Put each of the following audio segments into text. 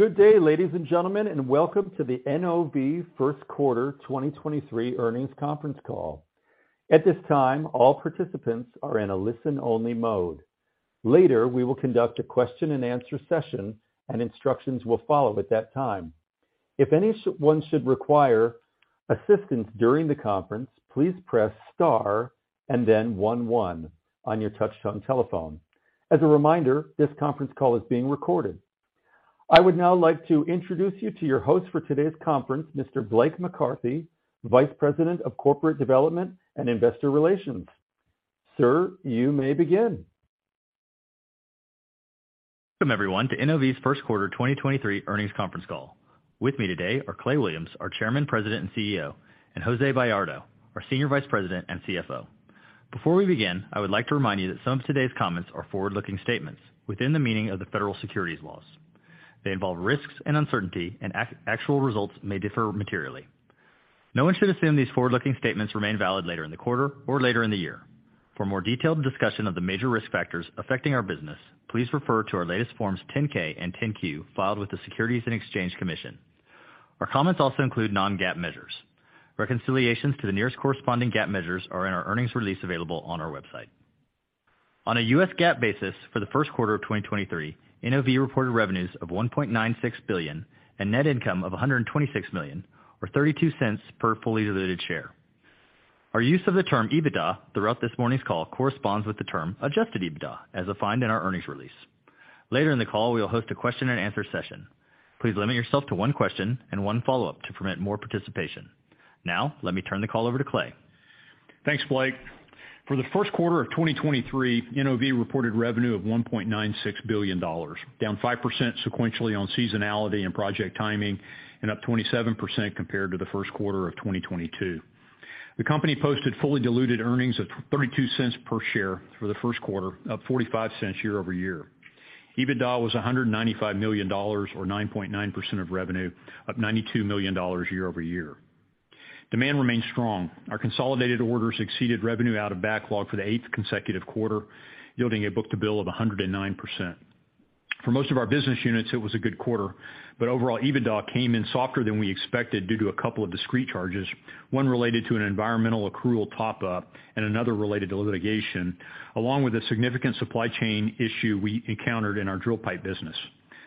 Good day, ladies and gentlemen, and welcome to the NOV First Quarter 2023 Earnings Conference Call. At this time, all participants are in a listen-only mode. Later, we will conduct a question-and-answer session, and instructions will follow at that time. If anyone should require assistance during the conference, please press star and then one one on your touchtone telephone. As a reminder, this conference call is being recorded. I would now like to introduce you to your host for today's conference, Mr. Blake McCarthy, Vice President of Corporate Development and Investor Relations. Sir, you may begin. Welcome, everyone, to NOV's First Quarter 2023 Earnings Conference Call. With me today are Clay Williams, our Chairman, President, and CEO, and Jose Bayardo, our Senior Vice President and CFO. Before we begin, I would like to remind you that some of today's comments are forward-looking statements within the meaning of the federal securities laws. They involve risks and uncertainty, and actual results may differ materially. No one should assume these forward-looking statements remain valid later in the quarter or later in the year. For more detailed discussion of the major risk factors affecting our business, please refer to our latest Forms 10-K and 10-Q filed with the Securities and Exchange Commission. Our comments also include non-GAAP measures. Reconciliations to the nearest corresponding GAAP measures are in our earnings release available on our website. On a U.S. GAAP basis for the first quarter of 2023, NOV reported revenues of $1.96 billion and net income of $126 million or $0.32 per fully diluted share. Our use of the term EBITDA throughout this morning's call corresponds with the term adjusted EBITDA, as defined in our earnings release. Later in the call, we will host a question-and-answer session. Please limit yourself to one question and one follow-up to permit more participation. Let me turn the call over to Clay. Thanks, Blake. For the first quarter of 2023, NOV reported revenue of $1.96 billion, down 5% sequentially on seasonality and project timing and up 27% compared to the first quarter of 2022. The company posted fully diluted earnings of $0.32 per share for the first quarter, up $0.45 year-over-year. EBITDA was $195 million or 9.9% of revenue, up $92 million year-over-year. Demand remains strong. Our consolidated orders exceeded revenue out of backlog for the eighth consecutive quarter, yielding a book-to-bill of 109%. Overall, EBITDA came in softer than we expected due to a couple of discrete charges, 1 related to an environmental accrual top-up and another related to litigation, along with a significant supply chain issue we encountered in our drill pipe business.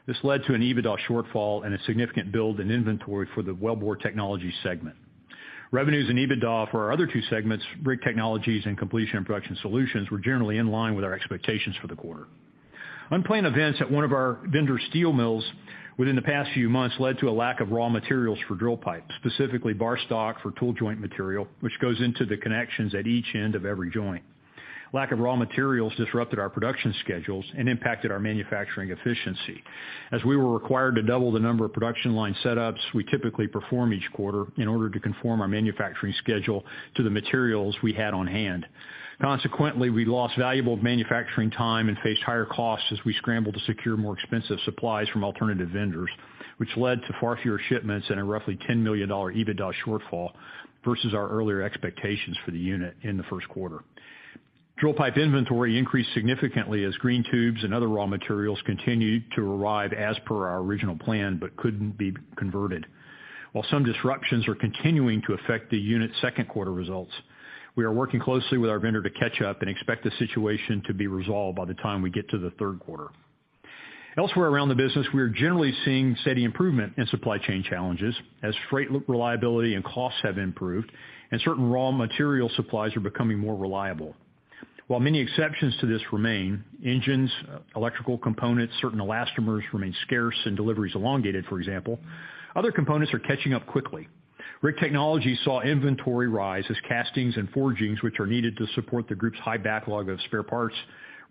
This led to an EBITDA shortfall and a significant build in inventory for the Wellbore Technologies segment. Revenues and EBITDA for our other two segments, Rig Technologies and Completion & Production Solutions, were generally in line with our expectations for the quarter. Unplanned events at one of our vendor steel mills within the past few months led to a lack of raw materials for drill pipes, specifically bar stock for tool joint material, which goes into the connections at each end of every joint. Lack of raw materials disrupted our production schedules and impacted our manufacturing efficiency as we were required to double the number of production line setups we typically perform each quarter in order to conform our manufacturing schedule to the materials we had on hand. Consequently, we lost valuable manufacturing time and faced higher costs as we scrambled to secure more expensive supplies from alternative vendors, which led to far fewer shipments and a roughly $10 million EBITDA shortfall versus our earlier expectations for the unit in the first quarter. Drill pipe inventory increased significantly as green tubes and other raw materials continued to arrive as per our original plan, but couldn't be converted. While some disruptions are continuing to affect the unit's second quarter results, we are working closely with our vendor to catch up and expect the situation to be resolved by the time we get to the third quarter. Elsewhere around the business, we are generally seeing steady improvement in supply chain challenges as freight re-reliability and costs have improved and certain raw material supplies are becoming more reliable. While many exceptions to this remain, engines, electrical components, certain elastomers remain scarce and deliveries elongated, for example, other components are catching up quickly. Rig Technologies saw inventory rise as castings and forgings, which are needed to support the group's high backlog of spare parts,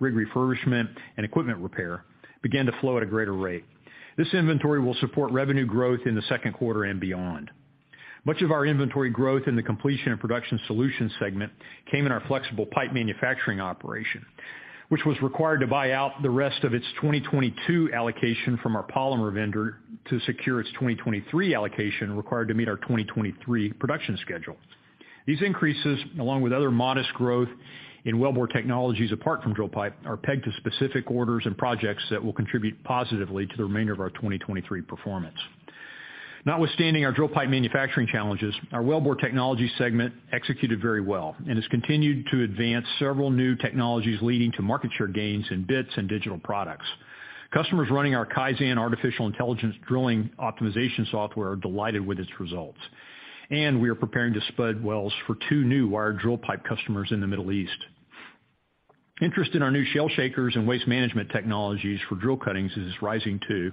rig refurbishment, and equipment repair, began to flow at a greater rate. This inventory will support revenue growth in the second quarter and beyond. Much of our inventory growth in the Completion & Production Solutions segment came in our flexible pipe manufacturing operation, which was required to buy out the rest of its 2022 allocation from our polymer vendor to secure its 2023 allocation required to meet our 2023 production schedule. These increases, along with other modest growth in Wellbore Technologies apart from drill pipe, are pegged to specific orders and projects that will contribute positively to the remainder of our 2023 performance. Notwithstanding our drill pipe manufacturing challenges, our Wellbore Technologies segment executed very well and has continued to advance several new technologies leading to market share gains in bits and digital products. Customers running our KAIZEN artificial intelligence drilling optimization software are delighted with its results, and we are preparing to spud wells for two new wired drill pipe customers in the Middle East. Interest in our new shale shakers and waste management technologies for drill cuttings is rising, too,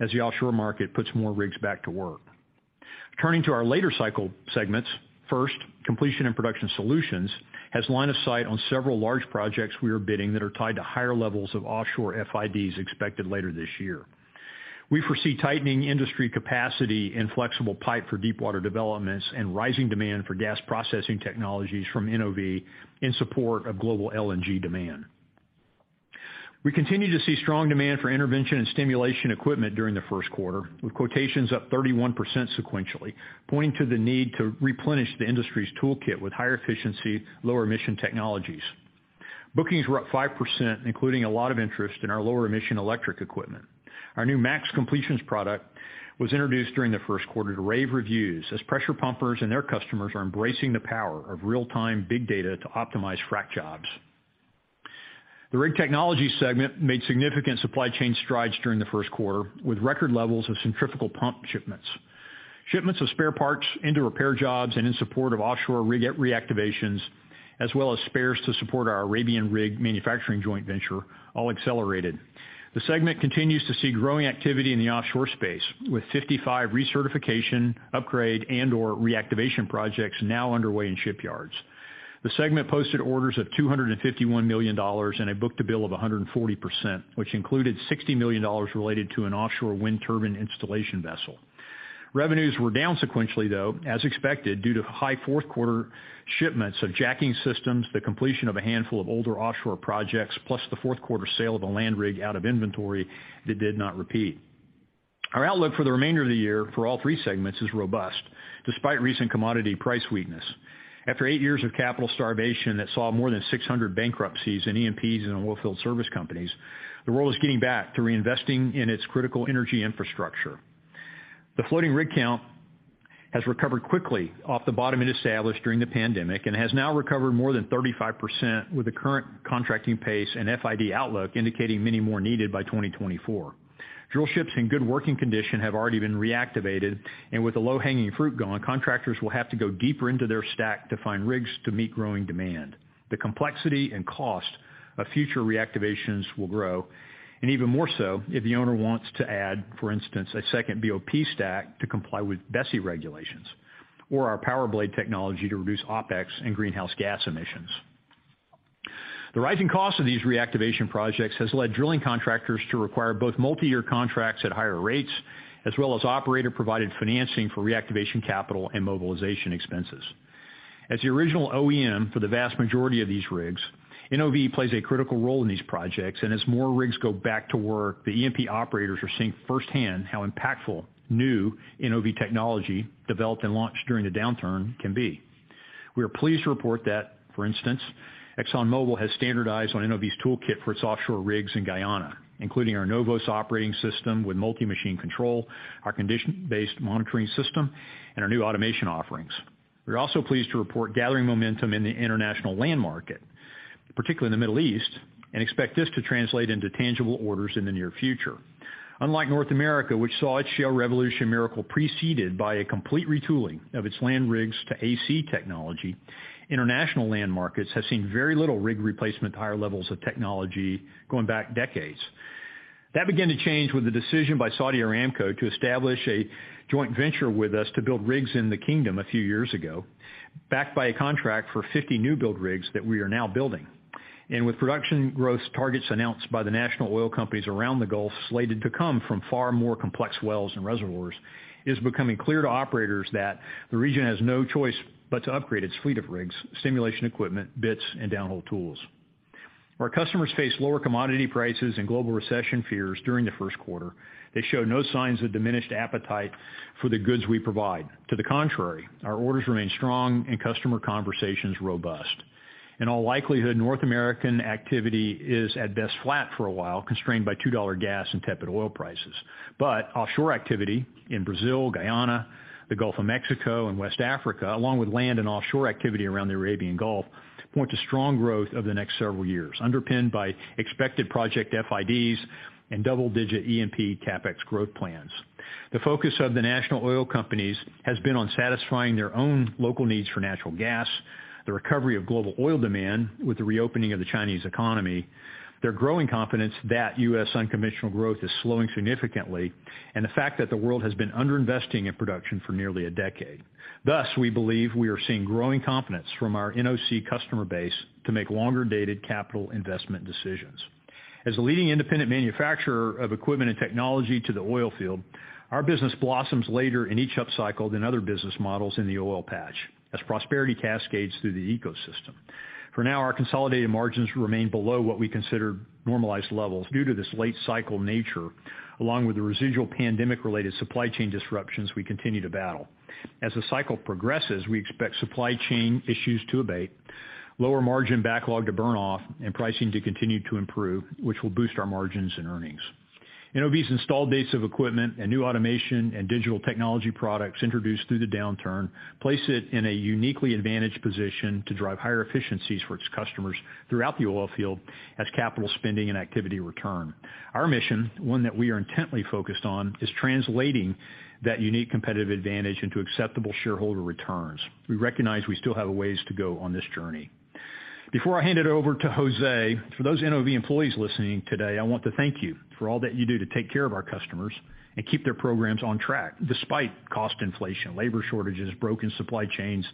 as the offshore market puts more rigs back to work. Turning to our later cycle segments, first, Completion & Production Solutions has line of sight on several large projects we are bidding that are tied to higher levels of offshore FIDs expected later this year. We foresee tightening industry capacity in flexible pipe for deepwater developments and rising demand for gas processing technologies from NOV in support of global LNG demand. We continue to see strong demand for intervention and stimulation equipment during the first quarter, with quotations up 31% sequentially, pointing to the need to replenish the industry's toolkit with higher efficiency, lower emission technologies. Bookings were up 5%, including a lot of interest in our lower emission electric equipment. Our new Max Completions product was introduced during the first quarter to rave reviews as pressure pumpers and their customers are embracing the power of real-time big data to optimize frack jobs. The Rig Technologies segment made significant supply chain strides during the first quarter, with record levels of centrifugal pump shipments. Shipments of spare parts into repair jobs and in support of offshore rig reactivations, as well as spares to support our Arabian Rig Manufacturing joint venture, all accelerated. The segment continues to see growing activity in the offshore space, with 55 recertification, upgrade, and/or reactivation projects now underway in shipyards. The segment posted orders of $251 million and a book-to-bill of 140%, which included $60 million related to an offshore wind turbine installation vessel. Revenues were down sequentially, though, as expected, due to high fourth quarter shipments of jacking systems, the completion of a handful of older offshore projects, plus the fourth quarter sale of a land rig out of inventory that did not repeat. Our outlook for the remainder of the year for all three segments is robust, despite recent commodity price weakness. After eight years of capital starvation that saw more than 600 bankruptcies in E&Ps and oilfield service companies, the world is getting back to reinvesting in its critical energy infrastructure. The floating rig count has recovered quickly off the bottom it established during the pandemic and has now recovered more than 35% with the current contracting pace and FID outlook indicating many more needed by 2024. Drillships in good working condition have already been reactivated, and with the low-hanging fruit gone, contractors will have to go deeper into their stack to find rigs to meet growing demand. The complexity and cost of future reactivations will grow, and even more so if the owner wants to add, for instance, a second BOP stack to comply with BSEE regulations or our PowerBlade technology to reduce OpEx and greenhouse gas emissions. The rising cost of these reactivation projects has led drilling contractors to require both multiyear contracts at higher rates, as well as operator-provided financing for reactivation capital and mobilization expenses. As the original OEM for the vast majority of these rigs, NOV plays a critical role in these projects, and as more rigs go back to work, the E&P operators are seeing firsthand how impactful new NOV technology developed and launched during the downturn can be. We are pleased to report that, for instance, ExxonMobil has standardized on NOV's toolkit for its offshore rigs in Guyana, including our NOVOS operating system with Multi Machine Control, our condition-based monitoring system, and our new automation offerings. We're also pleased to report gathering momentum in the international land market, particularly in the Middle East, and expect this to translate into tangible orders in the near future. Unlike North America, which saw its shale revolution miracle preceded by a complete retooling of its land rigs to AC technology, international land markets have seen very little rig replacement at higher levels of technology going back decades. That began to change with the decision by Saudi Aramco to establish a joint venture with us to build rigs in the kingdom a few years ago, backed by a contract for 50 new build rigs that we are now building. With production growth targets announced by the national oil companies around the Gulf slated to come from far more complex wells and reservoirs, it is becoming clear to operators that the region has no choice but to upgrade its fleet of rigs, stimulation equipment, bits, and downhole tools. Our customers face lower commodity prices and global recession fears during the first quarter. They show no signs of diminished appetite for the goods we provide. To the contrary, our orders remain strong and customer conversations robust. In all likelihood, North American activity is at best flat for a while, constrained by $2 gas and tepid oil prices. Offshore activity in Brazil, Guyana, the Gulf of Mexico, and West Africa, along with land and offshore activity around the Arabian Gulf, point to strong growth over the next several years, underpinned by expected project FIDs and double-digit E&P CapEx growth plans. The focus of the national oil companies has been on satisfying their own local needs for natural gas, the recovery of global oil demand with the reopening of the Chinese economy, their growing confidence that U.S. unconventional growth is slowing significantly, and the fact that the world has been underinvesting in production for nearly a decade. We believe we are seeing growing confidence from our NOC customer base to make longer-dated capital investment decisions. As a leading independent manufacturer of equipment and technology to the oilfield, our business blossoms later in each upcycle than other business models in the oilfield, as prosperity cascades through the ecosystem. For now, our consolidated margins remain below what we consider normalized levels due to this late cycle nature, along with the residual pandemic-related supply chain disruptions we continue to battle. As the cycle progresses, we expect supply chain issues to abate, lower margin backlog to burn off, and pricing to continue to improve, which will boost our margins and earnings. NOV's installed base of equipment and new automation and digital technology products introduced through the downturn place it in a uniquely advantaged position to drive higher efficiencies for its customers throughout the oilfield as capital spending and activity return. Our mission, one that we are intently focused on, is translating that unique competitive advantage into acceptable shareholder returns. We recognize we still have a ways to go on this journey. Before I hand it over to Jose, for those NOV employees listening today, I want to thank you for all that you do to take care of our customers and keep their programs on track despite cost inflation, labor shortages, broken supply chains,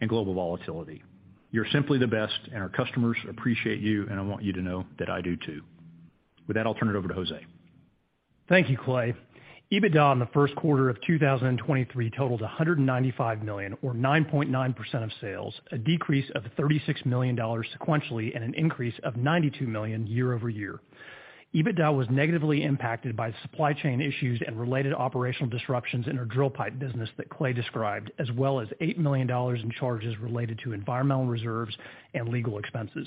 and global volatility. You're simply the best, and our customers appreciate you, and I want you to know that I do too. With that, I'll turn it over to Jose. Thank you, Clay. EBITDA in the first quarter of 2023 totaled $195 million or 9.9% of sales, a decrease of $36 million sequentially and an increase of $92 million year-over-year. EBITDA was negatively impacted by supply chain issues and related operational disruptions in our drill pipe business that Clay described, as well as $8 million in charges related to environmental reserves and legal expenses.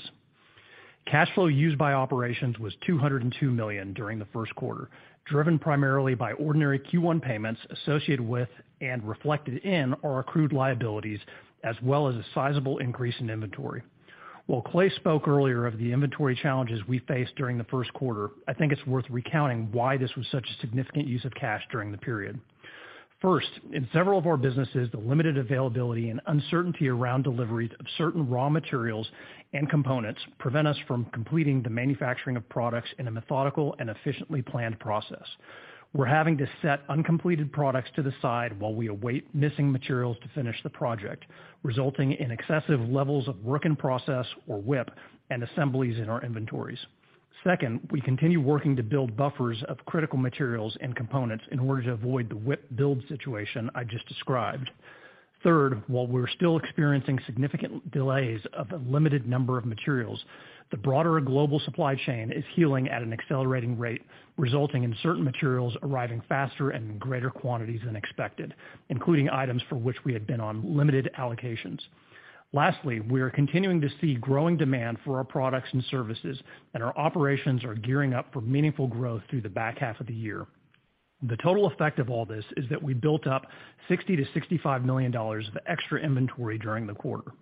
Cash flow used by operations was $202 million during the first quarter, driven primarily by ordinary Q1 payments associated with and reflected in our accrued liabilities, as well as a sizable increase in inventory. While Clay spoke earlier of the inventory challenges we faced during the first quarter, I think it's worth recounting why this was such a significant use of cash during the period. First, in several of our businesses, the limited availability and uncertainty around deliveries of certain raw materials and components prevent us from completing the manufacturing of products in a methodical and efficiently planned process. We're having to set uncompleted products to the side while we await missing materials to finish the project, resulting in excessive levels of work in process, or WIP, and assemblies in our inventories. Second, we continue working to build buffers of critical materials and components in order to avoid the WIP build situation I just described. Third, while we're still experiencing significant delays of a limited number of materials, the broader global supply chain is healing at an accelerating rate, resulting in certain materials arriving faster and in greater quantities than expected, including items for which we had been on limited allocations. We are continuing to see growing demand for our products and services. Our operations are gearing up for meaningful growth through the back half of the year. The total effect of all this is that we built up $60 million-$65 million of extra inventory during the quarter.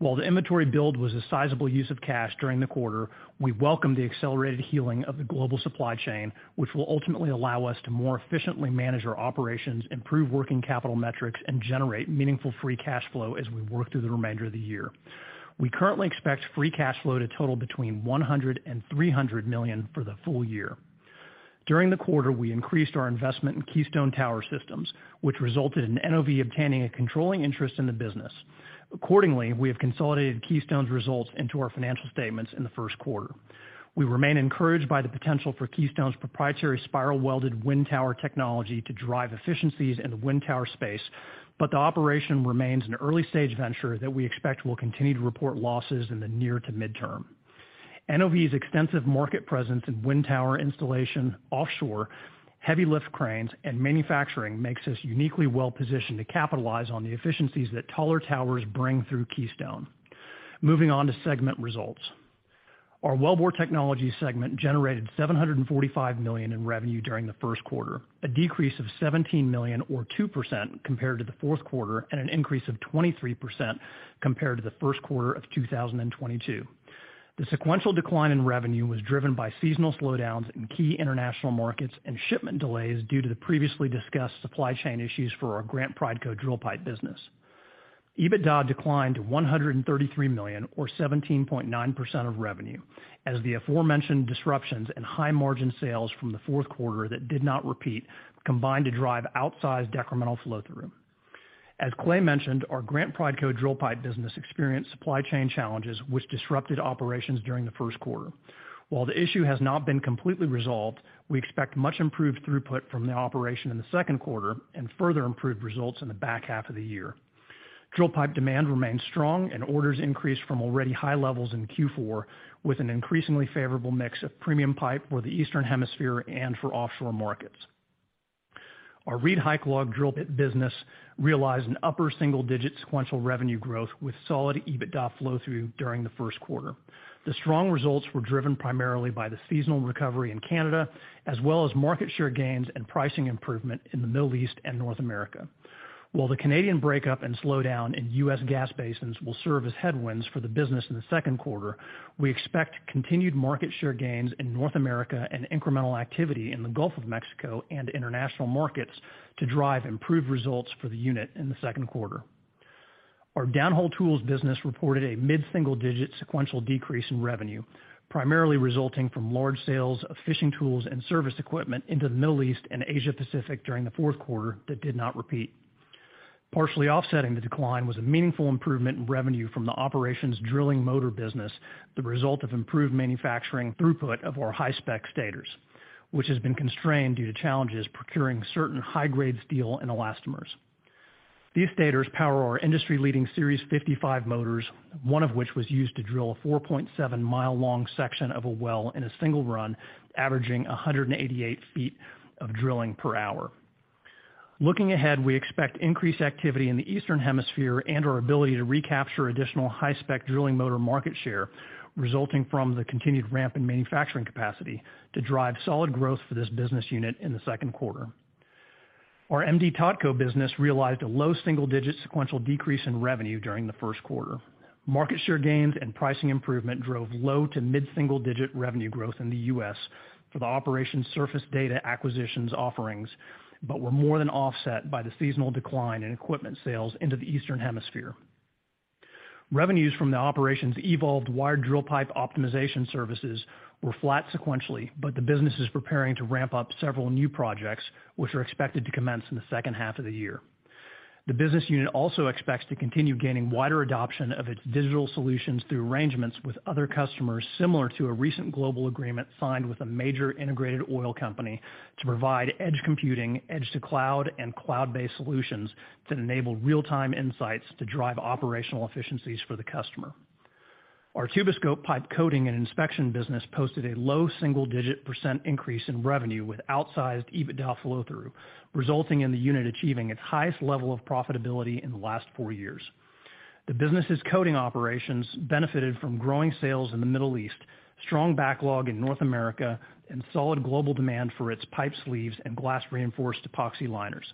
While the inventory build was a sizable use of cash during the quarter, we welcome the accelerated healing of the global supply chain, which will ultimately allow us to more efficiently manage our operations, improve working capital metrics, and generate meaningful free cash flow as we work through the remainder of the year. We currently expect free cash flow to total between $100 million and $300 million for the full year. During the quarter, we increased our investment in Keystone Tower Systems, which resulted in NOV obtaining a controlling interest in the business. Accordingly, we have consolidated Keystone's results into our financial statements in the first quarter. We remain encouraged by the potential for Keystone's proprietary spiral-welded wind tower technology to drive efficiencies in the wind tower space, but the operation remains an early-stage venture that we expect will continue to report losses in the near to midterm. NOV's extensive market presence in wind tower installation offshore, heavy lift cranes, and manufacturing makes us uniquely well-positioned to capitalize on the efficiencies that taller towers bring through Keystone. Moving on to segment results. Our Wellbore Technologies segment generated $745 million in revenue during the first quarter, a decrease of $17 million or 2% compared to the fourth quarter, and an increase of 23% compared to the first quarter of 2022. The sequential decline in revenue was driven by seasonal slowdowns in key international markets and shipment delays due to the previously discussed supply chain issues for our Grant Prideco drill pipe business. EBITDA declined to $133 million or 17.9% of revenue as the aforementioned disruptions and high-margin sales from the fourth quarter that did not repeat combined to drive outsized incremental flow-through. As Clay mentioned, our Grant Prideco drill pipe business experienced supply chain challenges which disrupted operations during the first quarter. While the issue has not been completely resolved, we expect much improved throughput from the operation in the second quarter and further improved results in the back half of the year. Drill pipe demand remains strong and orders increased from already high levels in Q4, with an increasingly favorable mix of premium pipe for the Eastern Hemisphere and for offshore markets. Our ReedHycalog drill bit business realized an upper single-digit sequential revenue growth with solid EBITDA flow-through during the first quarter. The strong results were driven primarily by the seasonal recovery in Canada, as well as market share gains and pricing improvement in the Middle East and North America. While the Canadian breakup and slowdown in U.S. gas basins will serve as headwinds for the business in the second quarter, we expect continued market share gains in North America and incremental activity in the Gulf of Mexico and international markets to drive improved results for the unit in the second quarter. Our Downhole Tools business reported a mid-single-digit sequential decrease in revenue, primarily resulting from large sales of fishing tools and service equipment into the Middle East and Asia Pacific during the fourth quarter that did not repeat. Partially offsetting the decline was a meaningful improvement in revenue from the operations drilling motor business, the result of improved manufacturing throughput of our high-spec stators, which has been constrained due to challenges procuring certain high-grade steel and elastomers. These stators power our industry-leading Series 55 motors, one of which was used to drill a 4.7-mile-long section of a well in a single run, averaging 188 feet of drilling per hour. Looking ahead, we expect increased activity in the Eastern Hemisphere and our ability to recapture additional high-spec drilling motor market share resulting from the continued ramp in manufacturing capacity to drive solid growth for this business unit in the second quarter. Our M/D Totco business realized a low single-digit sequential decrease in revenue during the first quarter. Market share gains and pricing improvement drove low to mid-single-digit revenue growth in the U.S. for the operation surface data acquisitions offerings, but were more than offset by the seasonal decline in equipment sales into the Eastern Hemisphere. Revenues from the operations evolved wired drill pipe optimization services were flat sequentially, but the business is preparing to ramp up several new projects, which are expected to commence in the second half of the year. The business unit also expects to continue gaining wider adoption of its digital solutions through arrangements with other customers similar to a recent global agreement signed with a major integrated oil company to provide edge computing, edge to cloud, and cloud-based solutions that enable real-time insights to drive operational efficiencies for the customer. Our Tuboscope pipe coating and inspection business posted a low single-digit percent increase in revenue with outsized EBITDA flow-through, resulting in the unit achieving its highest level of profitability in the last four years. The business's coating operations benefited from growing sales in the Middle East, strong backlog in North America, and solid global demand for its pipe sleeves and glass-reinforced epoxy liners.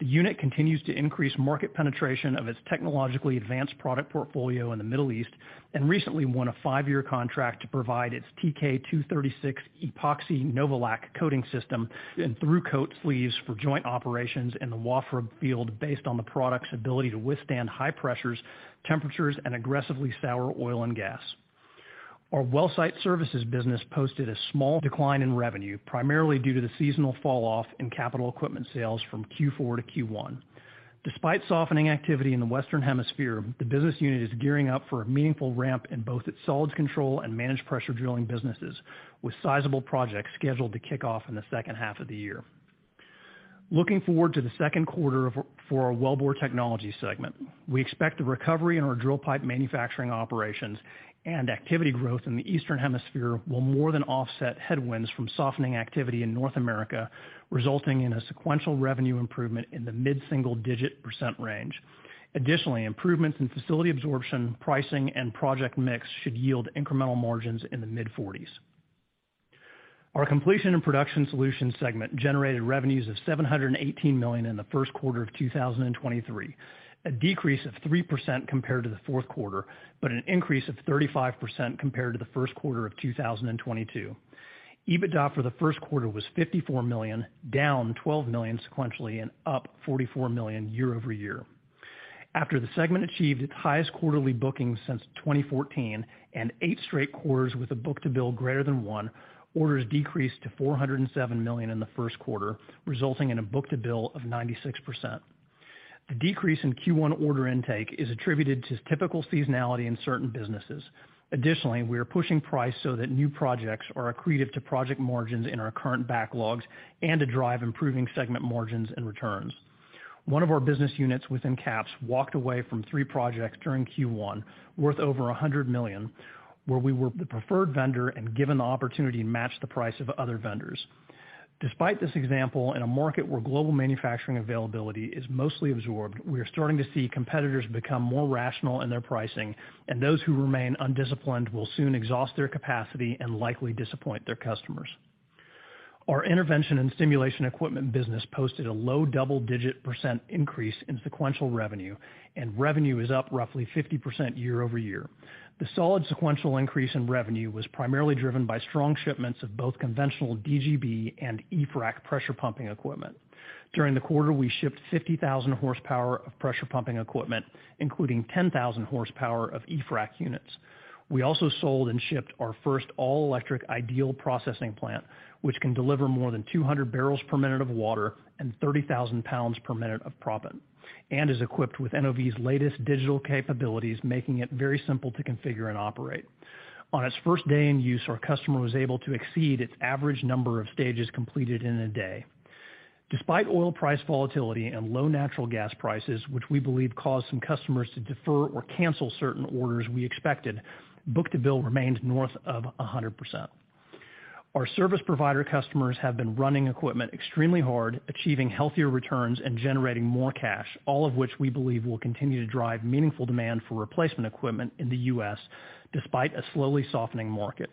The unit continues to increase market penetration of its technologically advanced product portfolio in the Middle East, and recently won a five-year contract to provide its TK-236 epoxy novolac coating system and through-coat sleeves for joint operations in the Wafra field based on the product's ability to withstand high pressures, temperatures, and aggressively sour oil and gas. Our WellSite Services business posted a small decline in revenue, primarily due to the seasonal falloff in capital equipment sales from Q4 to Q1. Despite softening activity in the Western Hemisphere, the business unit is gearing up for a meaningful ramp in both its solids control and managed pressure drilling businesses, with sizable projects scheduled to kick off in the second half of the year. Looking forward to the second quarter for our Wellbore Technologies segment, we expect the recovery in our drill pipe manufacturing operations and activity growth in the Eastern Hemisphere will more than offset headwinds from softening activity in North America, resulting in a sequential revenue improvement in the mid-single digit % range. Additionally, improvements in facility absorption, pricing, and project mix should yield incremental margins in the mid-40s%. Our Completion & Production Solutions segment generated revenues of $718 million in the first quarter of 2023, a decrease of 3% compared to the fourth quarter, but an increase of 35% compared to the 1st quarter of 2022. EBITDA for the 1st quarter was $54 million, down $12 million sequentially and up $44 million year-over-year. After the segment achieved its highest quarterly bookings since 2014 and eight straight quarters with a book-to-bill greater than one, orders decreased to $407 million in the first quarter, resulting in a book-to-bill of 96%. The decrease in Q1 order intake is attributed to typical seasonality in certain businesses. Additionally, we are pushing price so that new projects are accretive to project margins in our current backlogs and to drive improving segment margins and returns. One of our business units within CAPS walked away from three projects during Q1 worth over $100 million, where we were the preferred vendor and given the opportunity to match the price of other vendors. Despite this example, in a market where global manufacturing availability is mostly absorbed, we are starting to see competitors become more rational in their pricing, and those who remain undisciplined will soon exhaust their capacity and likely disappoint their customers. Our intervention and stimulation equipment business posted a low double-digit % increase in sequential revenue, and revenue is up roughly 50% year-over-year. The solid sequential increase in revenue was primarily driven by strong shipments of both conventional DGB and eFrac pressure pumping equipment. During the quarter, we shipped 50,000 horsepower of pressure pumping equipment, including 10,000 horsepower of eFrac units. We also sold and shipped our first all-electric Ideal processing plant, which can deliver more than 200 barrels per minute of water and 30,000 pounds per minute of proppant, and is equipped with NOV's latest digital capabilities, making it very simple to configure and operate. On its first day in use, our customer was able to exceed its average number of stages completed in a day. Despite oil price volatility and low natural gas prices, which we believe caused some customers to defer or cancel certain orders we expected, book-to-bill remains north of 100%. Our service provider customers have been running equipment extremely hard, achieving healthier returns and generating more cash, all of which we believe will continue to drive meaningful demand for replacement equipment in the U.S. despite a slowly softening market.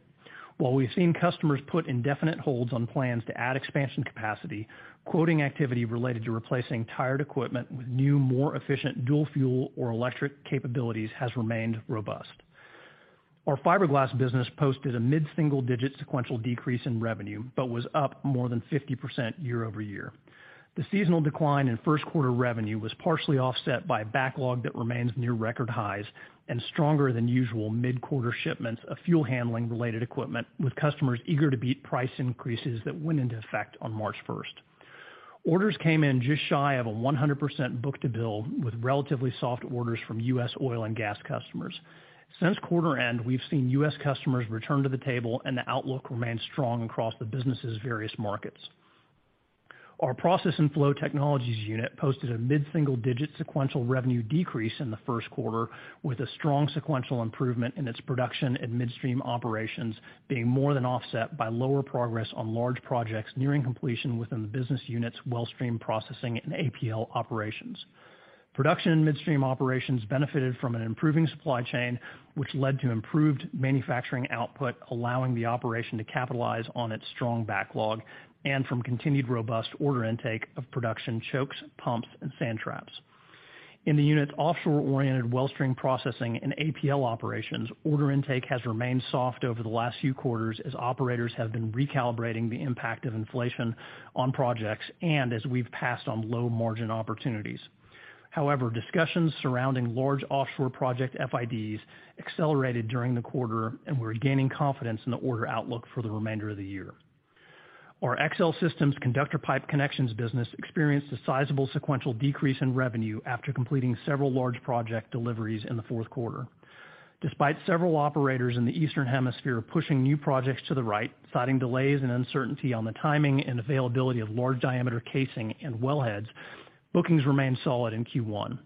While we've seen customers put indefinite holds on plans to add expansion capacity, quoting activity related to replacing tired equipment with new, more efficient dual-fuel or electric capabilities has remained robust. Our fiberglass business posted a mid-single-digit sequential decrease in revenue, but was up more than 50% year-over-year. The seasonal decline in 1st quarter revenue was partially offset by a backlog that remains near record highs and stronger than usual mid-quarter shipments of fuel handling related equipment, with customers eager to beat price increases that went into effect on March 1st. Orders came in just shy of a 100% book-to-bill, with relatively soft orders from U.S. oil and gas customers. Since quarter end, we've seen U.S. customers return to the table, and the outlook remains strong across the business's various markets. Our Process and Flow Technologies unit posted a mid-single digit sequential revenue decrease in the first quarter, with a strong sequential improvement in its production and midstream operations being more than offset by lower progress on large projects nearing completion within the business unit's wellstream processing and APL operations. Production and midstream operations benefited from an improving supply chain, which led to improved manufacturing output, allowing the operation to capitalize on its strong backlog and from continued robust order intake of production chokes, pumps, and sand traps. In the unit's offshore-oriented wellstream processing and APL operations, order intake has remained soft over the last few quarters as operators have been recalibrating the impact of inflation on projects and as we've passed on low-margin opportunities. Discussions surrounding large offshore project FIDs accelerated during the quarter, and we're gaining confidence in the order outlook for the remainder of the year. Our XL Systems conductor pipe connections business experienced a sizable sequential decrease in revenue after completing several large project deliveries in the fourth quarter. Despite several operators in the Eastern Hemisphere pushing new projects to the right, citing delays and uncertainty on the timing and availability of large diameter casing and wellheads. Bookings remain solid in Q1.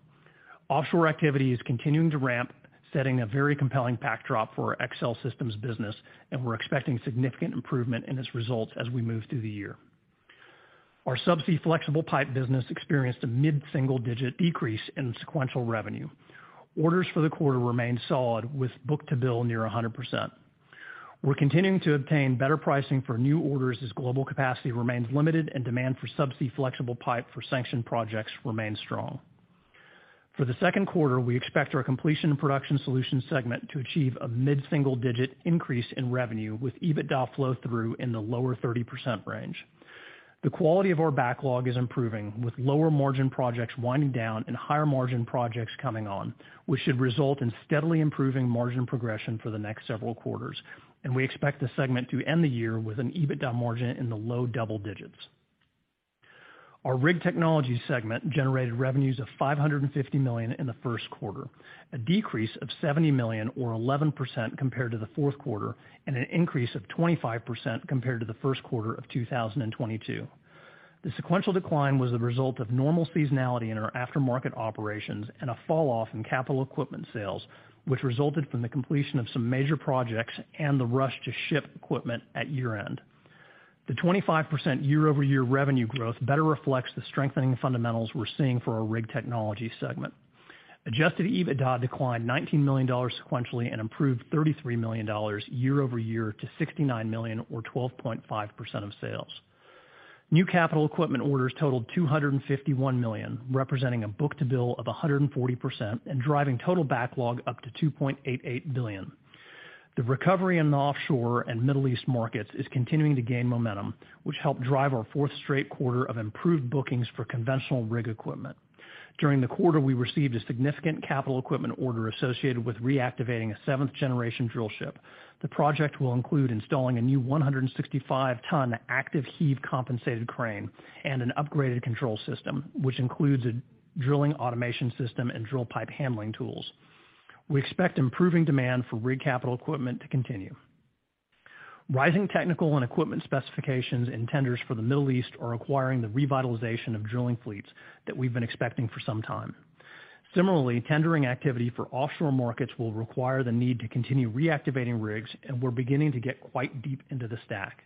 Offshore activity is continuing to ramp, setting a very compelling backdrop for our XL Systems business, and we're expecting significant improvement in its results as we move through the year. Our subsea flexible pipe business experienced a mid-single-digit decrease in sequential revenue. Orders for the quarter remained solid, with book-to-bill near 100%. We're continuing to obtain better pricing for new orders as global capacity remains limited and demand for subsea flexible pipe for sanctioned projects remains strong. For the second quarter, we expect our Completion & Production Solutions segment to achieve a mid-single-digit increase in revenue, with EBITDA flow through in the lower 30% range. The quality of our backlog is improving, with lower-margin projects winding down and higher-margin projects coming on, which should result in steadily improving margin progression for the next several quarters, and we expect the segment to end the year with an EBITDA margin in the low double digits. Our Rig Technologies segment generated revenues of $550 million in the first quarter, a decrease of $70 million or 11% compared to the fourth quarter, and an increase of 25% compared to the first quarter of 2022. The sequential decline was the result of normal seasonality in our aftermarket operations and a falloff in capital equipment sales, which resulted from the completion of some major projects and the rush to ship equipment at year-end. The 25% year-over-year revenue growth better reflects the strengthening fundamentals we're seeing for our Rig Technologies segment. Adjusted EBITDA declined $19 million sequentially and improved $33 million year-over-year to $69 million or 12.5% of sales. New capital equipment orders totaled $251 million, representing a book-to-bill of 140% and driving total backlog up to $2.88 billion. The recovery in the offshore and Middle East markets is continuing to gain momentum, which helped drive our fourth straight quarter of improved bookings for conventional rig equipment. During the quarter, we received a significant capital equipment order associated with reactivating a seventh-generation drillship. The project will include installing a new 165-ton active heave compensated crane and an upgraded control system, which includes a drilling automation system and drill pipe handling tools. We expect improving demand for rig capital equipment to continue. Rising technical and equipment specifications and tenders for the Middle East are acquiring the revitalization of drilling fleets that we've been expecting for some time. Similarly, tendering activity for offshore markets will require the need to continue reactivating rigs, and we're beginning to get quite deep into the stack.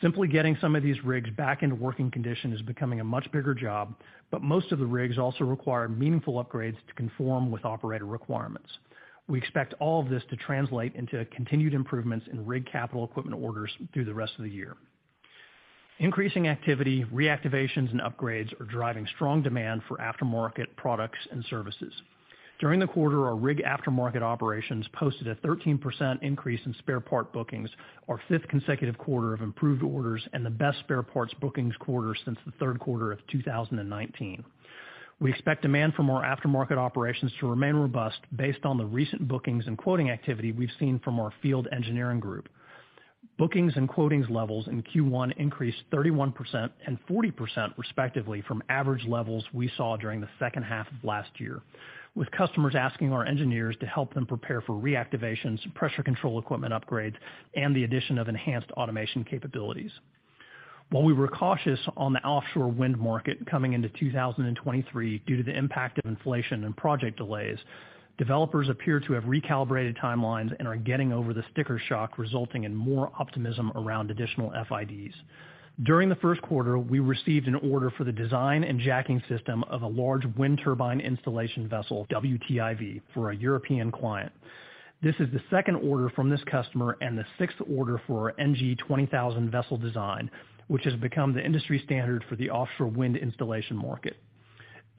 Simply getting some of these rigs back into working condition is becoming a much bigger job, but most of the rigs also require meaningful upgrades to conform with operator requirements. We expect all of this to translate into continued improvements in rig capital equipment orders through the rest of the year. Increasing activity, reactivations, and upgrades are driving strong demand for aftermarket products and services. During the quarter, our rig aftermarket operations posted a 13% increase in spare part bookings, our 5th consecutive quarter of improved orders and the best spare parts bookings quarter since the third quarter of 2019. We expect demand for more aftermarket operations to remain robust based on the recent bookings and quoting activity we've seen from our field engineering group. Bookings and quotings levels in Q1 increased 31% and 40% respectively from average levels we saw during the second half of last year, with customers asking our engineers to help them prepare for reactivations, pressure control equipment upgrades, and the addition of enhanced automation capabilities. While we were cautious on the offshore wind market coming into 2023 due to the impact of inflation and project delays, developers appear to have recalibrated timelines and are getting over the sticker shock, resulting in more optimism around additional FIDs. During the first quarter, we received an order for the design and jacking system of a large wind turbine installation vessel (WTIV) for a European client. This is the second order from this customer and the sixth order for our NG 20,000 vessel design, which has become the industry standard for the offshore wind installation market.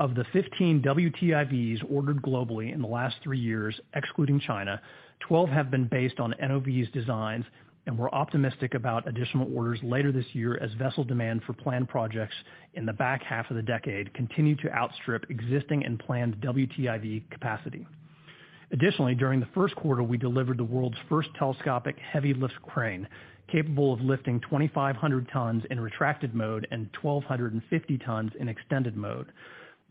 Of the 15 WTIVs ordered globally in the last three years, excluding China, 12 have been based on NOV's designs, and we're optimistic about additional orders later this year as vessel demand for planned projects in the back half of the decade continue to outstrip existing and planned WTIV capacity. Additionally, during the first quarter, we delivered the world's first telescopic heavy lift crane, capable of lifting 2,500 tons in retracted mode and 1,250 tons in extended mode.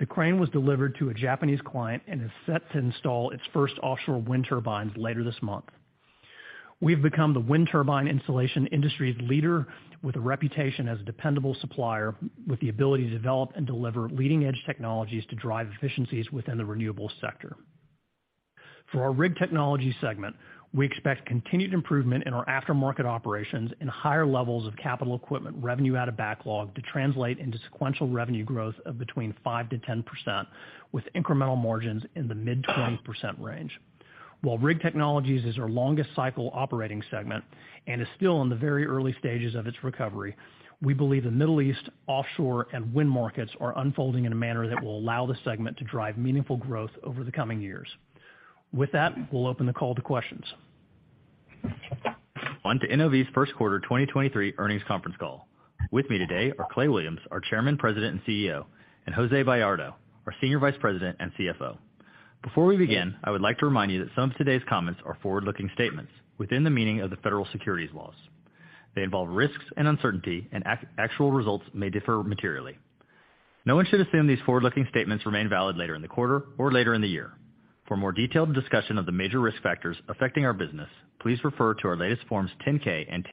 The crane was delivered to a Japanese client and is set to install its first offshore wind turbines later this month. We've become the wind turbine installation industry's leader with a reputation as a dependable supplier with the ability to develop and deliver leading-edge technologies to drive efficiencies within the renewable sector. For our Rig Technologies segment, we expect continued improvement in our aftermarket operations and higher levels of capital equipment revenue out of backlog to translate into sequential revenue growth of between 5%-10% with incremental margins in the mid-20% range. While Rig Technologies is our longest cycle operating segment and is still in the very early stages of its recovery, we believe the Middle East, offshore, and wind markets are unfolding in a manner that will allow the segment to drive meaningful growth over the coming years. With that, we'll open the call to questions. On to NOV's First Quarter 2023 Earnings Conference Call. With me today are Clay Williams, our Chairman, President, and CEO, and Jose Bayardo, our Senior Vice President and CFO. Before we begin, I would like to remind you that some of today's comments are forward-looking statements within the meaning of the federal securities laws. They involve risks and uncertainty, and actual results may differ materially. No one should assume these forward-looking statements remain valid later in the quarter or later in the year. For more detailed discussion of the major risk factors affecting our business, please refer to our latest Forms 10-K and-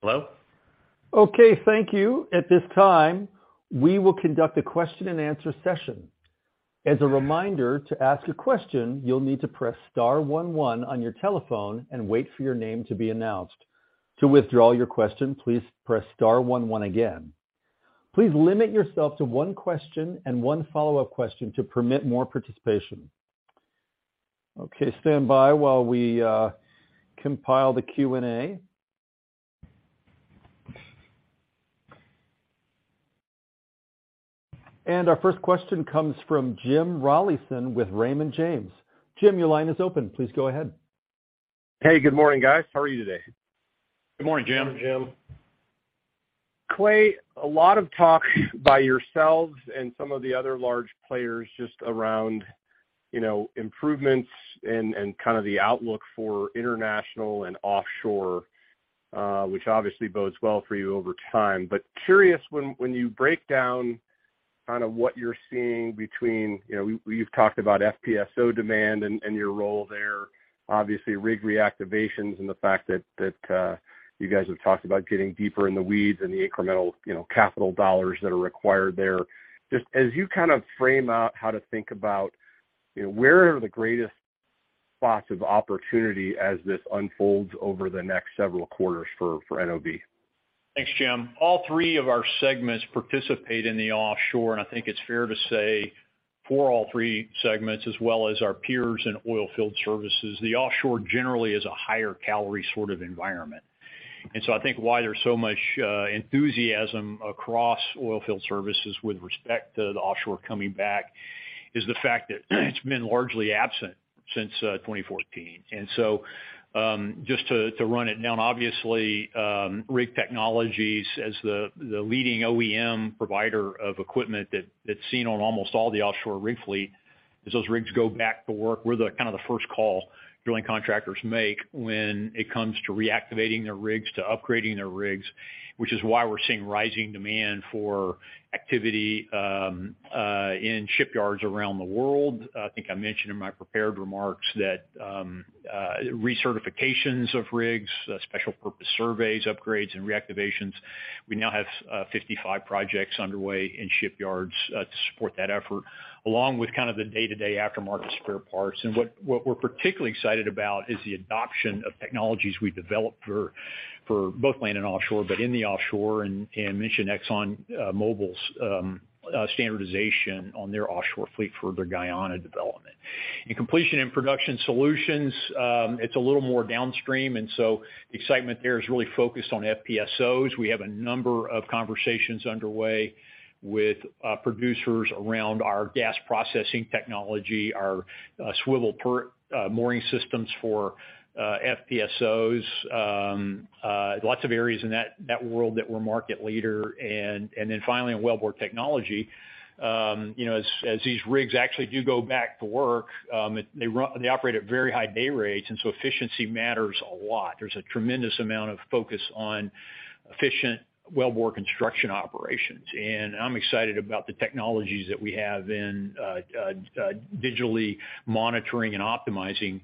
Hello? Okay. Thank you. At this time, we will conduct a question-and-answer session. As a reminder, to ask a question, you'll need to press star one one on your telephone and wait for your name to be announced. To withdraw your question, please press star one one again. Please limit yourself to one question and one follow-up question to permit more participation. Okay. Stand by while we compile the Q&A. Our first question comes from Jim Rollyson with Raymond James. Jim, your line is open. Please go ahead. Hey, good morning, guys. How are you today? Good morning, Jim. Morning, Jim. Clay, a lot of talk by yourselves and some of the other large players just around, you know, improvements and kind of the outlook for international and offshore, which obviously bodes well for you over time. Curious, when you break down kind of what you're seeing between, you know, we've talked about FPSO demand and your role there, obviously rig reactivations and the fact that you guys have talked about getting deeper in the weeds and the incremental, you know, capital dollars that are required there. Just as you kind of frame out how to think about, you know, where are the greatest spots of opportunity as this unfolds over the next several quarters for NOV? Thanks, Jim. All three of our segments participate in the offshore, and I think it's fair to say, for all three segments as well as our peers in oilfield services, the offshore generally is a higher calorie sort of environment. I think why there's so much enthusiasm across oilfield services with respect to the offshore coming back is the fact that it's been largely absent since 2014. Just to run it down, obviously, Rig Technologies as the leading OEM provider of equipment that's seen on almost all the offshore rig fleet. As those rigs go back to work, we're the kind of the first call drilling contractors make when it comes to reactivating their rigs, to upgrading their rigs, which is why we're seeing rising demand for activity in shipyards around the world. I think I mentioned in my prepared remarks that recertifications of rigs, special purpose surveys, upgrades, and reactivations. We now have 55 projects underway in shipyards to support that effort, along with kind of the day-to-day aftermarket spare parts. What we're particularly excited about is the adoption of technologies we developed for both land and offshore, but in the offshore and mentioned ExxonMobil's standardization on their offshore fleet for their Guyana development. In Completion & Production Solutions, it's a little more downstream. Excitement there is really focused on FPSOs. We have a number of conversations underway with producers around our gas processing technology, our swivel mooring systems for FPSOs, lots of areas in that world that we're market leader. Finally, in Wellbore Technologies, you know, as these rigs actually do go back to work, they operate at very high day rates, efficiency matters a lot. There's a tremendous amount of focus on efficient wellbore construction operations. I'm excited about the technologies that we have in digitally monitoring and optimizing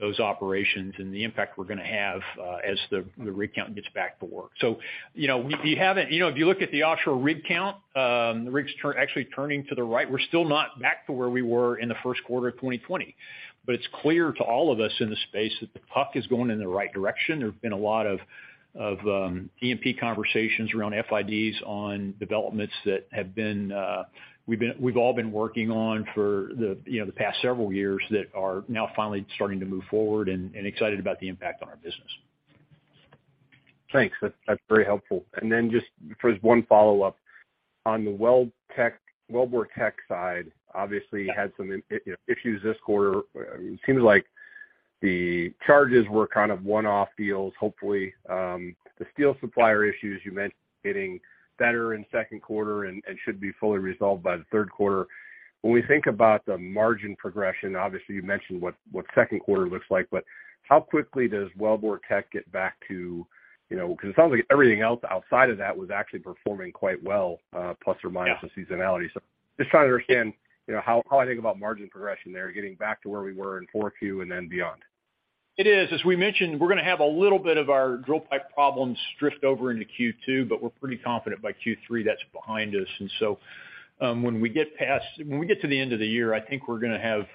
those operations and the impact we're gonna have as the rig count gets back to work. You know, we haven't You know, if you look at the offshore rig count, the rigs actually turning to the right. We're still not back to where we were in the first quarter of 2020. It's clear to all of us in the space that the puck is going in the right direction. There have been a lot of E&P conversations around FIDs on developments that have been, we've all been working on for the, you know, the past several years that are now finally starting to move forward and excited about the impact on our business. Thanks. That's very helpful. Just one follow-up. On the Wellbore Technologies side, obviously had some, you know, issues this quarter. It seems like the charges were kind of one-off deals. Hopefully, the steel supplier issues you mentioned getting better in second quarter and should be fully resolved by third quarter. When we think about the margin progression, obviously you mentioned what second quarter looks like, but how quickly does Wellbore Technologies get back to, you know, 'cause it sounds like everything else outside of that was actually performing quite well, plus or minus the seasonality. Just trying to understand, you know, how I think about margin progression there, getting back to where we were in 4Q and then beyond. It is. As we mentioned, we're gonna have a little bit of our drill pipe problems drift over into Q2, but we're pretty confident by Q3 that's behind us. When we get to the end of the year, I think we're gonna have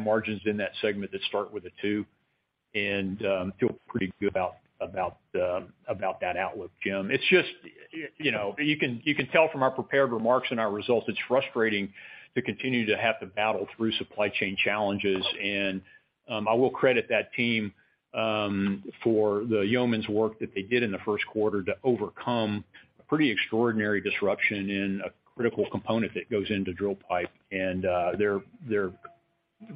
margins in that segment that start with a two and feel pretty good about that outlook, Jim. It's just, you know, you can tell from our prepared remarks and our results, it's frustrating to continue to have to battle through supply chain challenges. I will credit that team for the yeoman's work that they did in the first quarter to overcome a pretty extraordinary disruption in a critical component that goes into drill pipe. They're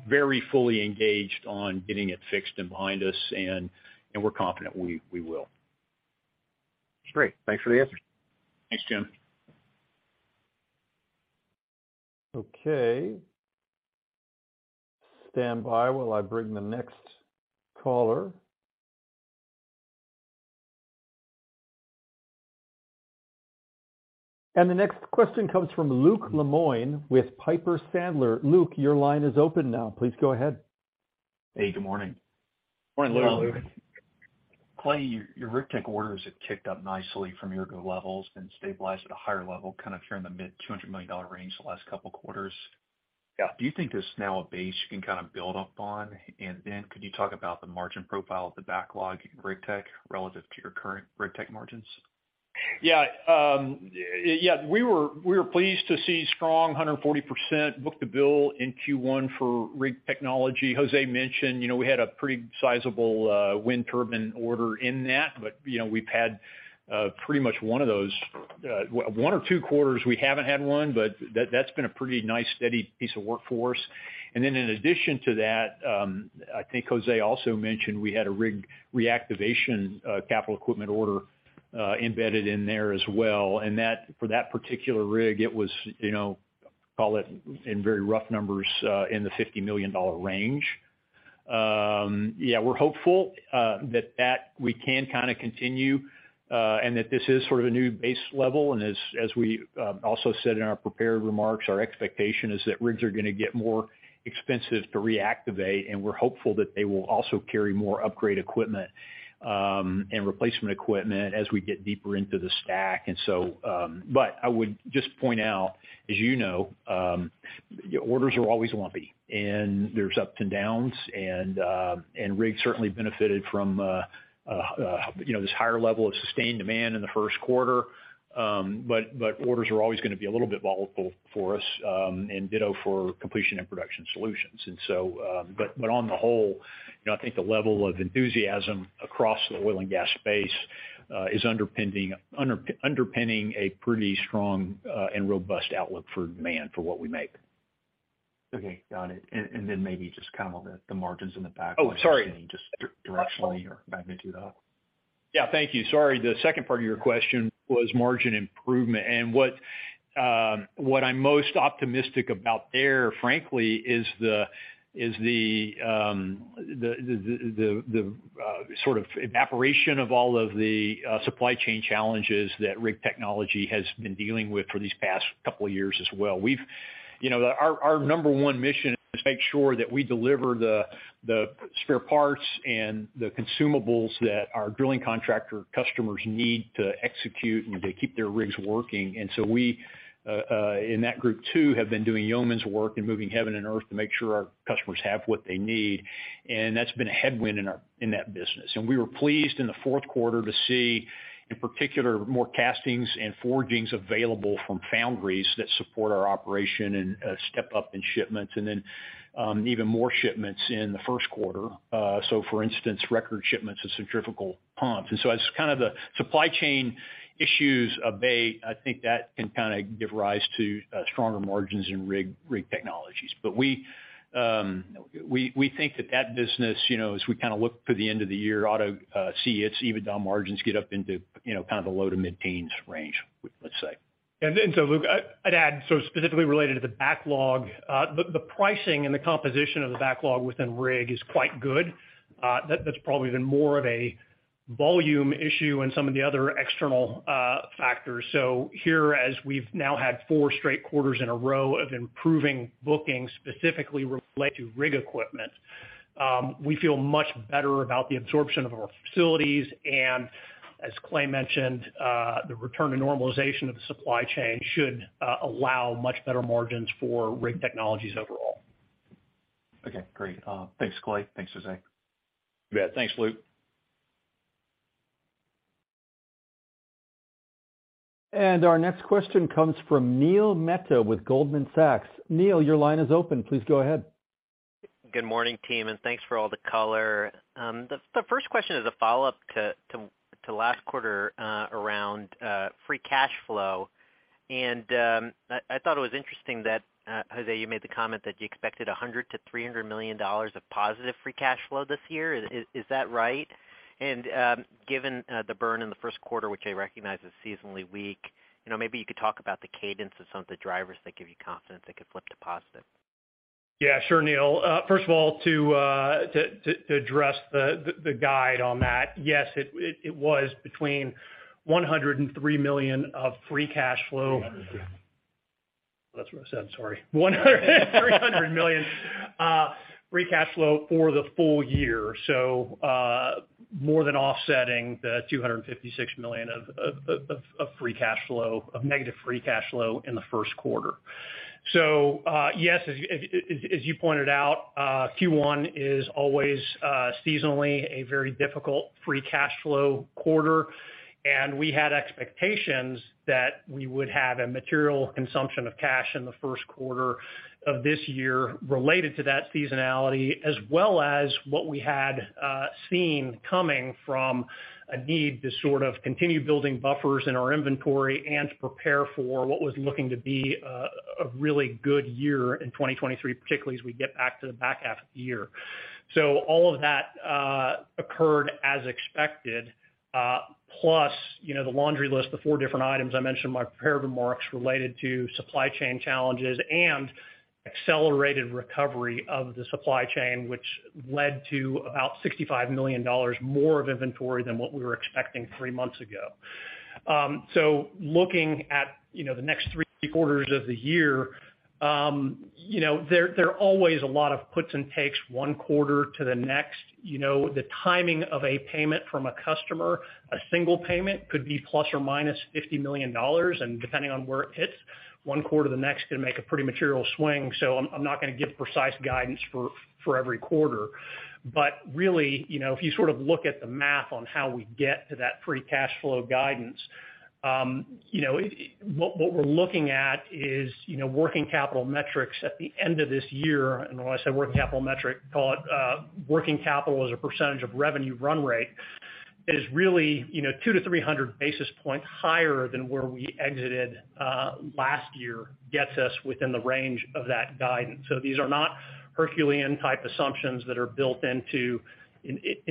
very fully engaged on getting it fixed and behind us, and we're confident we will. Great. Thanks for the answer. Thanks, Jim. Okay. Standby while I bring the next caller. The next question comes from Luke Lemoine with Piper Sandler. Luke, your line is open now. Please go ahead. Hey, good morning. Morning, Luke. Clay, your Rig Tech orders have kicked up nicely from your good levels and stabilized at a higher level, kind of if you're in the mid-$200 million range the last couple of quarters. Yeah. Do you think there's now a base you can kind of build upon? Could you talk about the margin profile of the backlog in Rig Tech relative to your current Rig Tech margins? We were pleased to see strong 140% book-to-bill in Q1 for Rig Technology. Jose mentioned, you know, we had a pretty sizable wind turbine order in that, we've had, you know, pretty much one of those one or two quarters we haven't had one, but that's been a pretty nice steady piece of workforce. In addition to that, I think Jose also mentioned we had a rig reactivation capital equipment order embedded in there as well. For that particular rig, it was, you know, call it, in very rough numbers, in the $50 million range. We're hopeful that we can kinda continue and that this is sort of a new base level. As, as we also said in our prepared remarks, our expectation is that rigs are gonna get more expensive to reactivate, and we're hopeful that they will also carry more upgrade equipment and replacement equipment as we get deeper into the stack. But I would just point out, as you know, orders are always lumpy, and there's ups and downs, and rigs certainly benefited from you know, this higher level of sustained demand in the first quarter. But orders are always gonna be a little bit volatile for us, and ditto for Completion & Production Solutions. But on the whole, you know, I think the level of enthusiasm across the oil and gas space is underpinning a pretty strong and robust outlook for demand for what we make. Okay. Got it. Maybe just kind of the margins in the back. Oh, sorry. Just directionally or magnitude up. Yeah, thank you. Sorry. The second part of your question was margin improvement. What I'm most optimistic about there, frankly, is the sort of evaporation of all of the supply chain challenges that Rig Technology has been dealing with for these past couple of years as well. You know, our number one mission is make sure that we deliver the spare parts and the consumables that our drilling contractor customers need to execute and to keep their rigs working. We in that group too, have been doing yeoman's work and moving heaven and earth to make sure our customers have what they need. That's been a headwind in our, in that business. We were pleased in the fourth quarter to see, in particular, more castings and forgings available from foundries that support our operation and step up in shipments, and then even more shipments in the first quarter. For instance, record shipments of centrifugal pumps. As kind of the supply chain issues abate, I think that can kinda give rise to stronger margins in Rig Technologies. We think that that business, you know, as we kinda look to the end of the year, ought to see its EBITDA margins get up into, you know, kind of the low- to mid-teens range, let's say. Luke, I'd add, so specifically related to the backlog, the pricing and the composition of the backlog within Rig is quite good. That's probably been more of a volume issue and some of the other external factors. Here, as we've now had four straight quarters in a row of improving bookings specifically related to rig equipment, we feel much better about the absorption of our facilities. As Clay mentioned, the return to normalization of the supply chain should allow much better margins for Rig Technologies overall. Okay, great. Thanks, Clay. Thanks, Jose. You bet. Thanks, Luke. Our next question comes from Neil Mehta with Goldman Sachs. Neil, your line is open. Please go ahead. Good morning, team, and thanks for all the color. The first question is a follow-up to last quarter, around free cash flow. I thought it was interesting that Jose, you made the comment that you expected $100 million-$300 million of positive free cash flow this year. Is that right? Given the burn in the first quarter, which I recognize is seasonally weak, you know, maybe you could talk about the cadence of some of the drivers that give you confidence that could flip to positive. Yeah, sure, Neil. First of all, to address the guide on that, yes, it was between $103 million of free cash flow. $300 million. That's what I said, sorry. $100 million-$300 million free cash flow for the full year. More than offsetting the $256 million of free cash flow, of negative free cash flow in the first quarter. Yes, as you pointed out, Q1 is always seasonally a very difficult free cash flow quarter, and we had expectations that we would have a material consumption of cash in the first quarter of this year related to that seasonality, as well as what we had seen coming from a need to sort of continue building buffers in our inventory and prepare for what was looking to be a really good year in 2023, particularly as we get back to the back half of the year. All of that occurred as expected. Plus, you know, the laundry list of four different items I mentioned in my prepared remarks related to supply chain challenges and Accelerated recovery of the supply chain, which led to about $65 million more of inventory than what we were expecting three months ago. Looking at, you know, the next three quarters of the year, you know, there are always a lot of puts and takes 1 quarter to the next. You know, the timing of a payment from a customer, a single payment could be plus or minus $50 million and depending on where it hits, 1 quarter to the next can make a pretty material swing. I'm not gonna give precise guidance for every quarter. Really, you know, if you sort of look at the math on how we get to that free cash flow guidance, you know, what we're looking at is, you know, working capital metrics at the end of this year. When I say working capital metric, call it, working capital as a percentage of revenue run rate is really, you know, 200-300 basis points higher than where we exited last year gets us within the range of that guidance. These are not Herculean type assumptions that are built into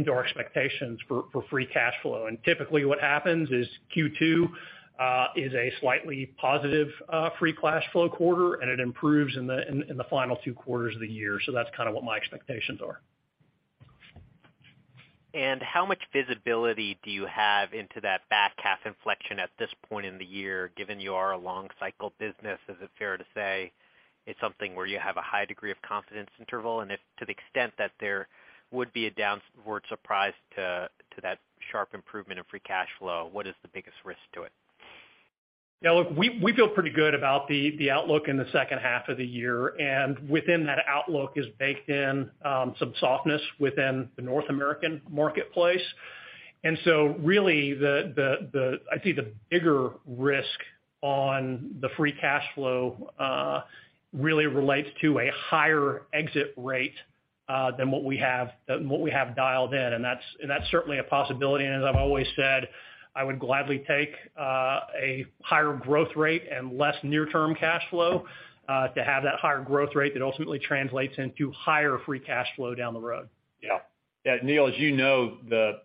our expectations for free cash flow. Typically, what happens is Q2 is a slightly positive free cash flow quarter, and it improves in the final two quarters of the year. That's kind of what my expectations are. How much visibility do you have into that back half inflection at this point in the year, given you are a long cycle business? Is it fair to say it's something where you have a high degree of confidence interval? If to the extent that there would be a downward surprise to that sharp improvement in free cash flow, what is the biggest risk to it? Yeah, look, we feel pretty good about the outlook in the second half of the year. Within that outlook is baked in some softness within the North American marketplace. Really the I'd say the bigger risk on the free cash flow really relates to a higher exit rate than what we have dialed in. That's certainly a possibility. As I've always said, I would gladly take a higher growth rate and less near-term cash flow to have that higher growth rate that ultimately translates into higher free cash flow down the road. Yeah. Yeah, Neil, as you know, the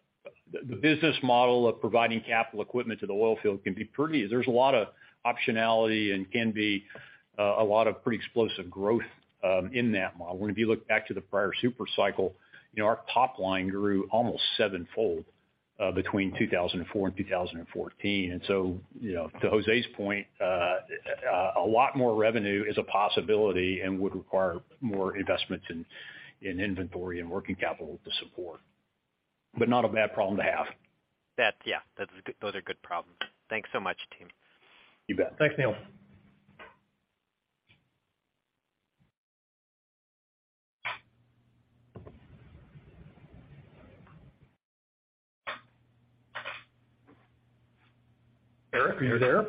business model of providing capital equipment to the oil field can be pretty. There's a lot of optionality and can be a lot of pretty explosive growth in that model. When if you look back to the prior super cycle, you know, our top line grew almost sevenfold between 2004 and 2014. You know, to Jose's point, a lot more revenue is a possibility and would require more investments in inventory and working capital to support. Not a bad problem to have. Yeah, Those are good problems. Thanks so much, team. You bet. Thanks, Neil. Eric, are you there?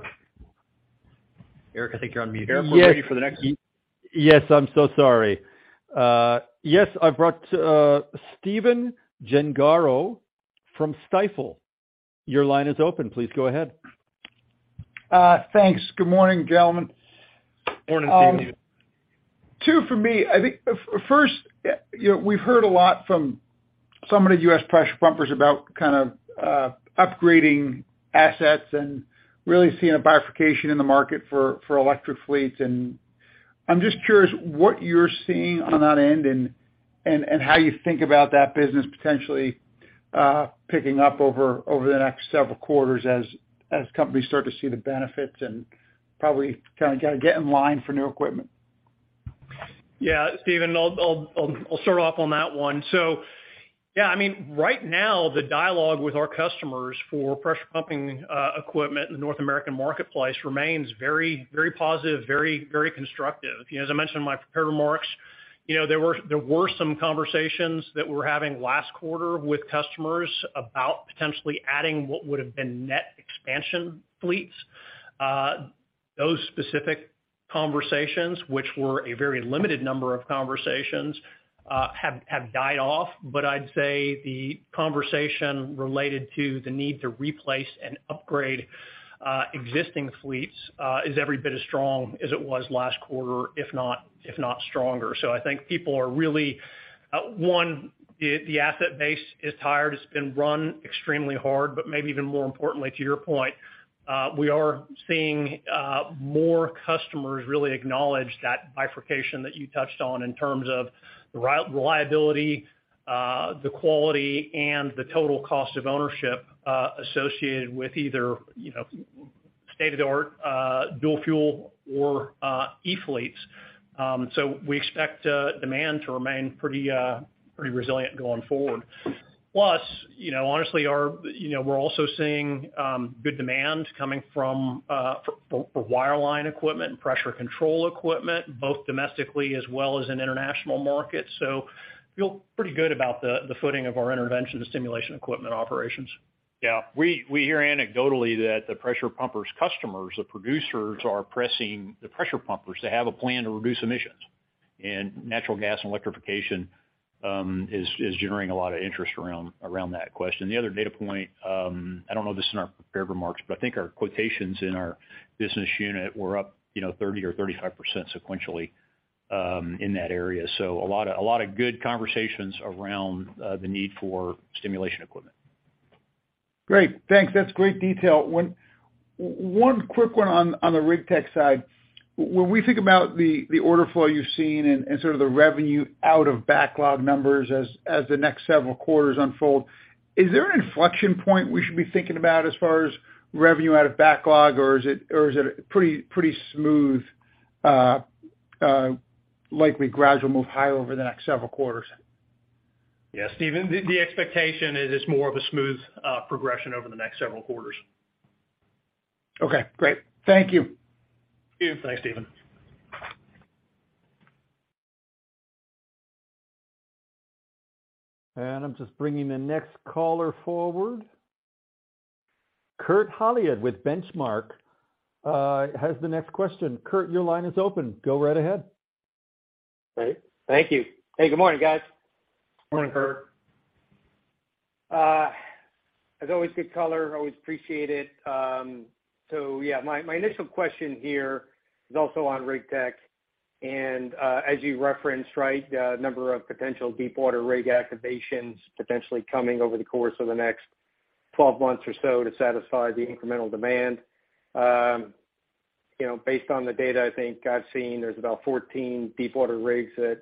Eric, I think you're on mute. Eric, we're ready for the next- Yes. I'm so sorry. Yes, I've brought, Stephen Gengaro from Stifel. Your line is open. Please go ahead. Thanks. Good morning, gentlemen. Morning, Stephen. Two for me. I think first, you know, we've heard a lot from some of the U.S. pressure pumpers about kind of upgrading assets and really seeing a bifurcation in the market for eFrac fleet. I'm just curious what you're seeing on that end and how you think about that business potentially picking up over the next several quarters as companies start to see the benefits and probably kinda gotta get in line for new equipment. Yeah, Stephen. I'll start off on that one. Yeah, I mean, right now the dialogue with our customers for pressure pumping equipment in the North American marketplace remains very, very positive, very, very constructive. You know, as I mentioned in my prepared remarks, you know, there were some conversations that we were having last quarter with customers about potentially adding what would have been net expansion fleets. Those specific conversations, which were a very limited number of conversations, have died off. I'd say the conversation related to the need to replace and upgrade existing fleets is every bit as strong as it was last quarter, if not stronger. I think people are really one, the asset base is tired. It's been run extremely hard, but maybe even more importantly, to your point, we are seeing more customers really acknowledge that bifurcation that you touched on in terms of the reliability, the quality and the total cost of ownership associated with either, you know, state-of-the-art dual-fuel or e-fleets. We expect demand to remain pretty resilient going forward. You know, honestly, you know, we're also seeing good demand coming from for wireline equipment and pressure control equipment, both domestically as well as in international markets. Feel pretty good about the footing of our intervention and stimulation equipment operations. Yeah. We hear anecdotally that the pressure pumpers customers, the producers, are pressing the pressure pumpers to have a plan to reduce emissions. Natural gas and electrification is generating a lot of interest around that question. The other data point, I don't know if this is in our prepared remarks, but I think our quotations in our business unit were up, you know, 30% or 35% sequentially in that area. A lot of good conversations around the need for stimulation equipment. Great. Thanks. That's great detail. One quick one on the Rig Tech side. When we think about the order flow you've seen and sort of the revenue out of backlog numbers as the next several quarters unfold, is there an inflection point we should be thinking about as far as revenue out of backlog, or is it pretty smooth, likely gradual move higher over the next several quarters? Stephen, the expectation is it's more of a smooth progression over the next several quarters. Okay, great. Thank you. Thanks, Stephen. I'm just bringing the next caller forward. Kurt Hallead with Benchmark has the next question. Kurt, your line is open. Go right ahead. Ready. Thank you. Hey, good morning, guys. Morning, Kurt. As always, good color. Always appreciate it. Yeah, my initial question here is also on Rig Tech. As you referenced, right, the number of potential deepwater rig activations potentially coming over the course of the next 12 months or so to satisfy the incremental demand. You know, based on the data, I think I've seen, there's about 14 deepwater rigs that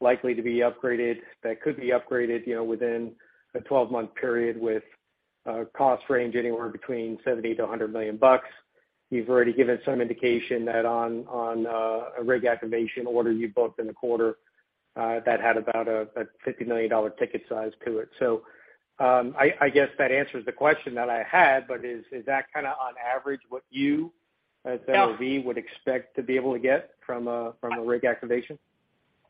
likely to be upgraded, that could be upgraded, you know, within a 12-month period with a cost range anywhere between $70 million to $100 million bucks. You've already given some indication that on a rig activation order you booked in the quarter, that had about a $50 million ticket size to it. I guess that answers the question that I had, but is that kinda on average what you as. No- LV would expect to be able to get from a rig activation?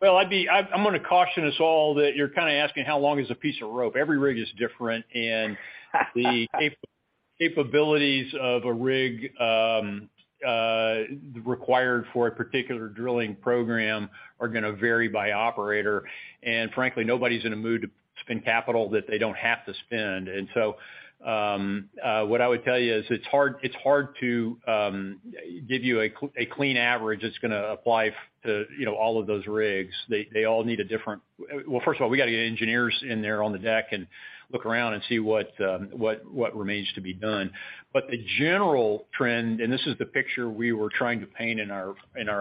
Well, I'm gonna caution us all that you're kinda asking how long is a piece of rope. Every rig is different. The capabilities of a rig required for a particular drilling program are gonna vary by operator. Frankly, nobody's in a mood to spend capital that they don't have to spend. What I would tell you is it's hard to give you a clean average that's gonna apply to, you know, all of those rigs. They all need a different. Well, first of all, we gotta get engineers in there on the deck and look around and see what remains to be done. The general trend, and this is the picture we were trying to paint in our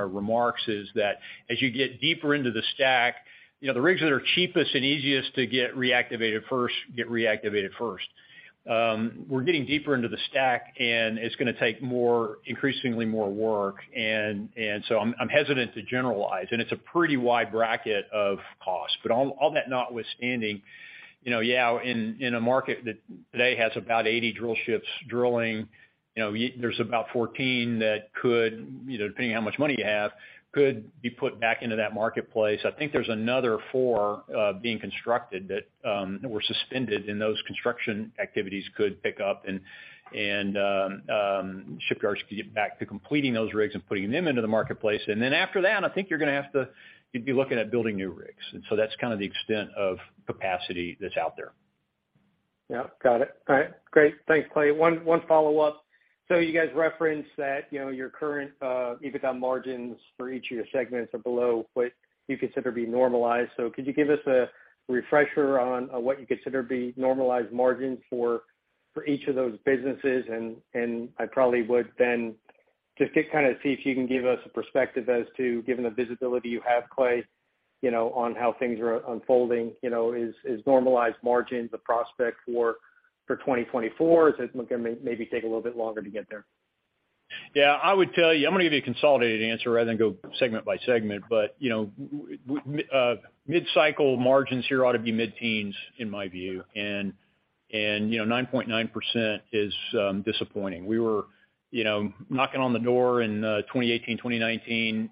remarks, is that as you get deeper into the stack, you know, the rigs that are cheapest and easiest to get reactivated first. We're getting deeper into the stack, and it's gonna take more, increasingly more work. So I'm hesitant to generalize, and it's a pretty wide bracket of cost. All that notwithstanding, you know, yeah, in a market that today has about 80 drill ships drilling, you know, there's about 14 that could, you know, depending on how much money you have, could be put back into that marketplace. I think there's another four being constructed that that were suspended, and those construction activities could pick up, and shipyards could get back to completing those rigs and putting them into the marketplace. After that, I think you'd be looking at building new rigs. That's kind of the extent of capacity that's out there. Yep, got it. All right. Great. Thanks, Clay. One, one follow-up. You guys referenced that, you know, your current EBITDA margins for each of your segments are below what you consider to be normalized. Could you give us a refresher on what you consider to be normalized margins for each of those businesses? I probably would then just get kind of see if you can give us a perspective as to, given the visibility you have, Clay, you know, on how things are unfolding, you know, is normalized margin the prospect for 2024? Is it gonna maybe take a little bit longer to get there? Yeah. I would tell you, I'm gonna give you a consolidated answer rather than go segment by segment. You know, mid-cycle margins here ought to be mid-teens in my view. You know, 9.9% is disappointing. We were, you know, knocking on the door in 2018, 2019,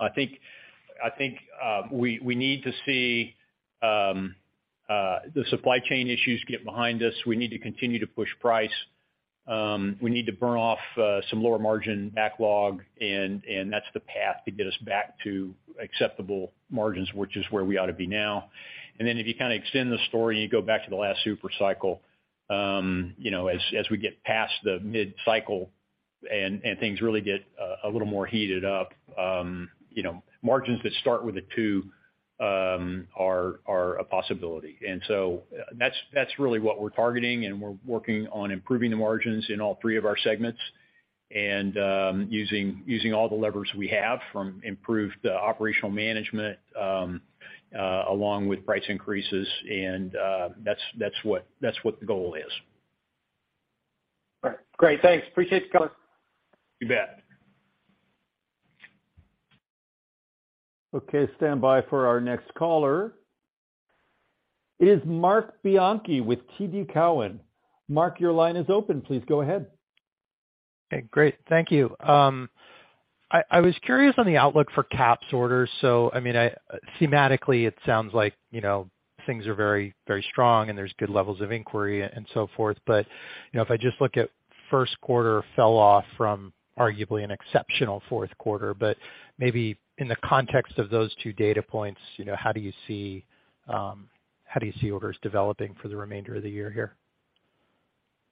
I think, we need to see the supply chain issues get behind us. We need to continue to push price. We need to burn off some lower margin backlog and that's the path to get us back to acceptable margins, which is where we ought to be now. If you kinda extend the story and you go back to the last super cycle, you know, as we get past the mid-cycle and things really get a little more heated up, you know, margins that start with a two are a possibility. That's really what we're targeting, and we're working on improving the margins in all three of our segments and using all the levers we have, from improved operational management along with price increases, and that's what the goal is. All right. Great. Thanks. Appreciate the color. You bet. Okay, stand by for our next caller. It is Marc Bianchi with TD Cowen. Marc, your line is open. Please go ahead. Hey, great. Thank you. I was curious on the outlook for CAPS orders. I mean, thematically, it sounds like, you know, things are very, very strong and there's good levels of inquiry and so forth. You know, if I just look at first quarter fell off from arguably an exceptional fourth quarter. Maybe in the context of those two data points, you know, how do you see, how do you see orders developing for the remainder of the year here?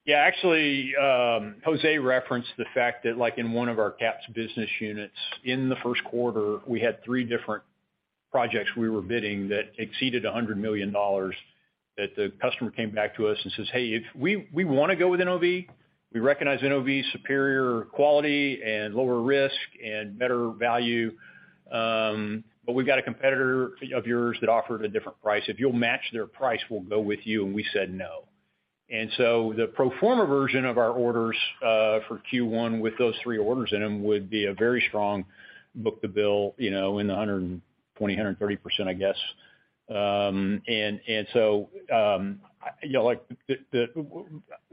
Yeah, actually, Jose referenced the fact that like in one of our CAPS business units in the first quarter, we had three different projects we were bidding that exceeded $100 million, that the customer came back to us and says, "Hey, if we wanna go with NOV, we recognize NOV's superior quality and lower risk and better value, but we've got a competitor of yours that offered a different price. If you'll match their price, we'll go with you," and we said, "No." The pro forma version of our orders for Q1 with those three orders in them would be a very strong book-to-bill, you know, in the 120%-130%, I guess. You know, like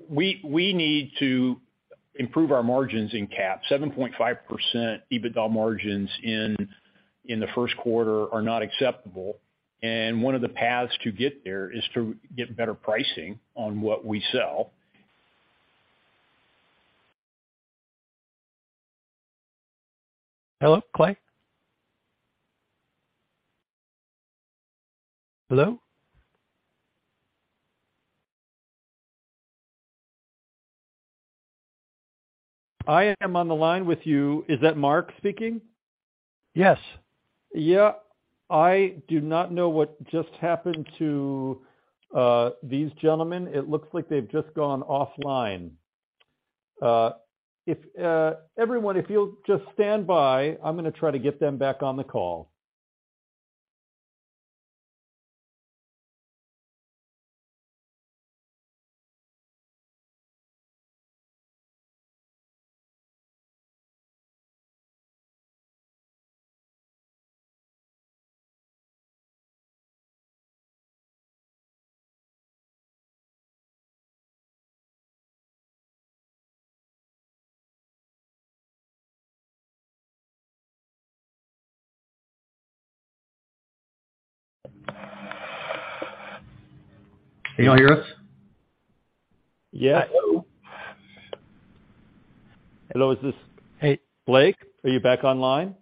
We need to improve our margins in CAPS. 7.5% EBITDA margins in the first quarter are not acceptable. One of the paths to get there is to get better pricing on what we sell. Hello, Clay? Hello? I am on the line with you. Is that Marc speaking? Yes. I do not know what just happened to these gentlemen. It looks like they've just gone offline. Everyone, if you'll just stand by, I'm going to try to get them back on the call. Can y'all hear us? Yes. Hello? Hello. Hey. Blake, are you back online?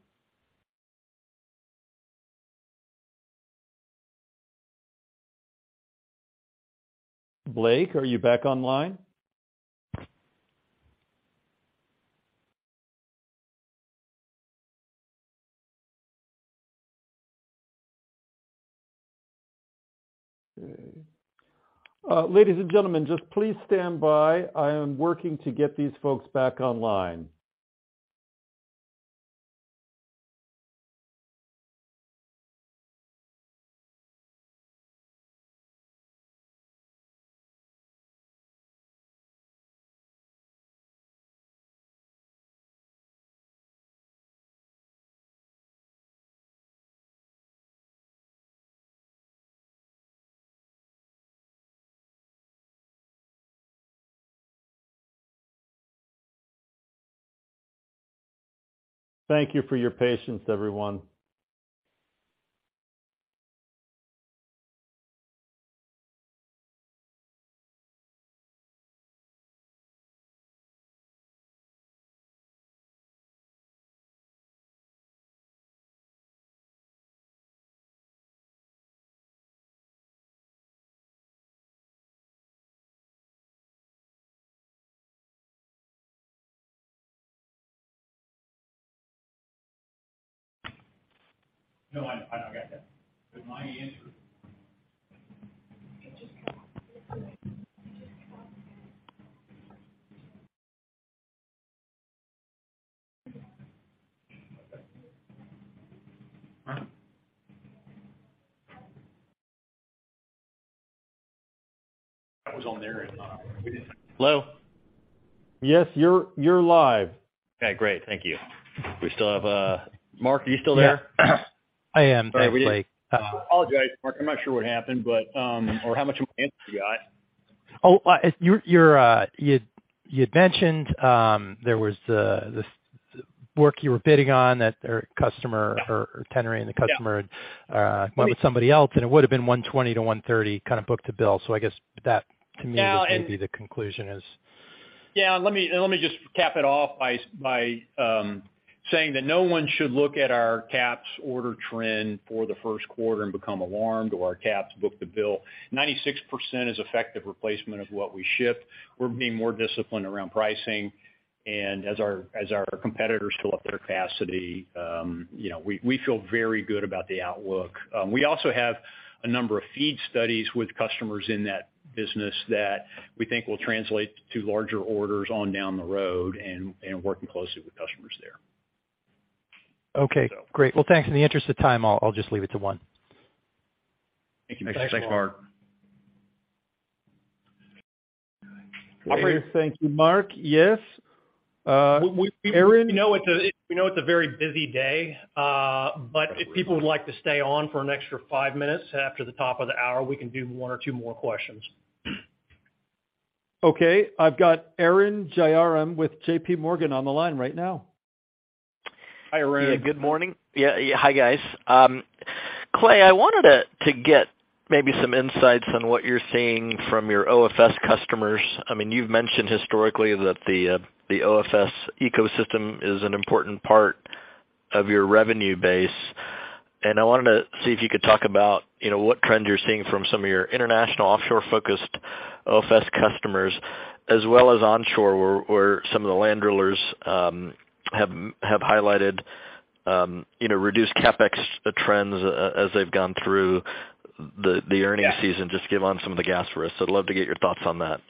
Okay. Ladies and gentlemen, just please stand by. I am working to get these folks back online. Thank you for your patience, everyone. No, I don't got that. I was on the air. Hello? Yes. You're live. Okay, great. Thank you. We still have Marc, are you still there? Yeah. I am. Thanks, Blake. All right. Apologize, Marc. I'm not sure what happened, but, or how much of an answer you got. You're, you'd mentioned, there was this work you were bidding on that tendering the customer went with somebody else, and it would have been 120-130 kind of book-to-bill. I guess that to me would maybe the conclusion is. Yeah. Let me just cap it off by saying that no one should look at our CAPS order trend for the first quarter and become alarmed or our CAPS book-to-bill. 96% is effective replacement of what we ship. We're being more disciplined around pricing. As our competitors fill up their capacity, you know, we feel very good about the outlook. We also have a number of FEED studies with customers in that business that we think will translate to larger orders on down the road and working closely with customers there. Okay. So. Great. Well, thanks. In the interest of time, I'll just leave it to one. Thank you. Thanks, Marc. Thank you, Marc. Yes. We know it's a very busy day. If people would like to stay on for an extra five minutes after the top of the hour, we can do one or two more questions. Okay. I've got Arun Jayaram with JPMorgan on the line right now. Hi, Arun. Good morning. Yeah. Hi, guys. Clay, I wanted to get maybe some insights on what you're seeing from your OFS customers. I mean, you've mentioned historically that the OFS ecosystem is an important part Of your revenue base. I wanted to see if you could talk about, you know, what trends you're seeing from some of your international offshore-focused OFS customers, as well as onshore, where some of the land drillers have highlighted, you know, reduced CapEx trends as they've gone through the earning season. Just give on some of the gas for us. I'd love to get your thoughts on that.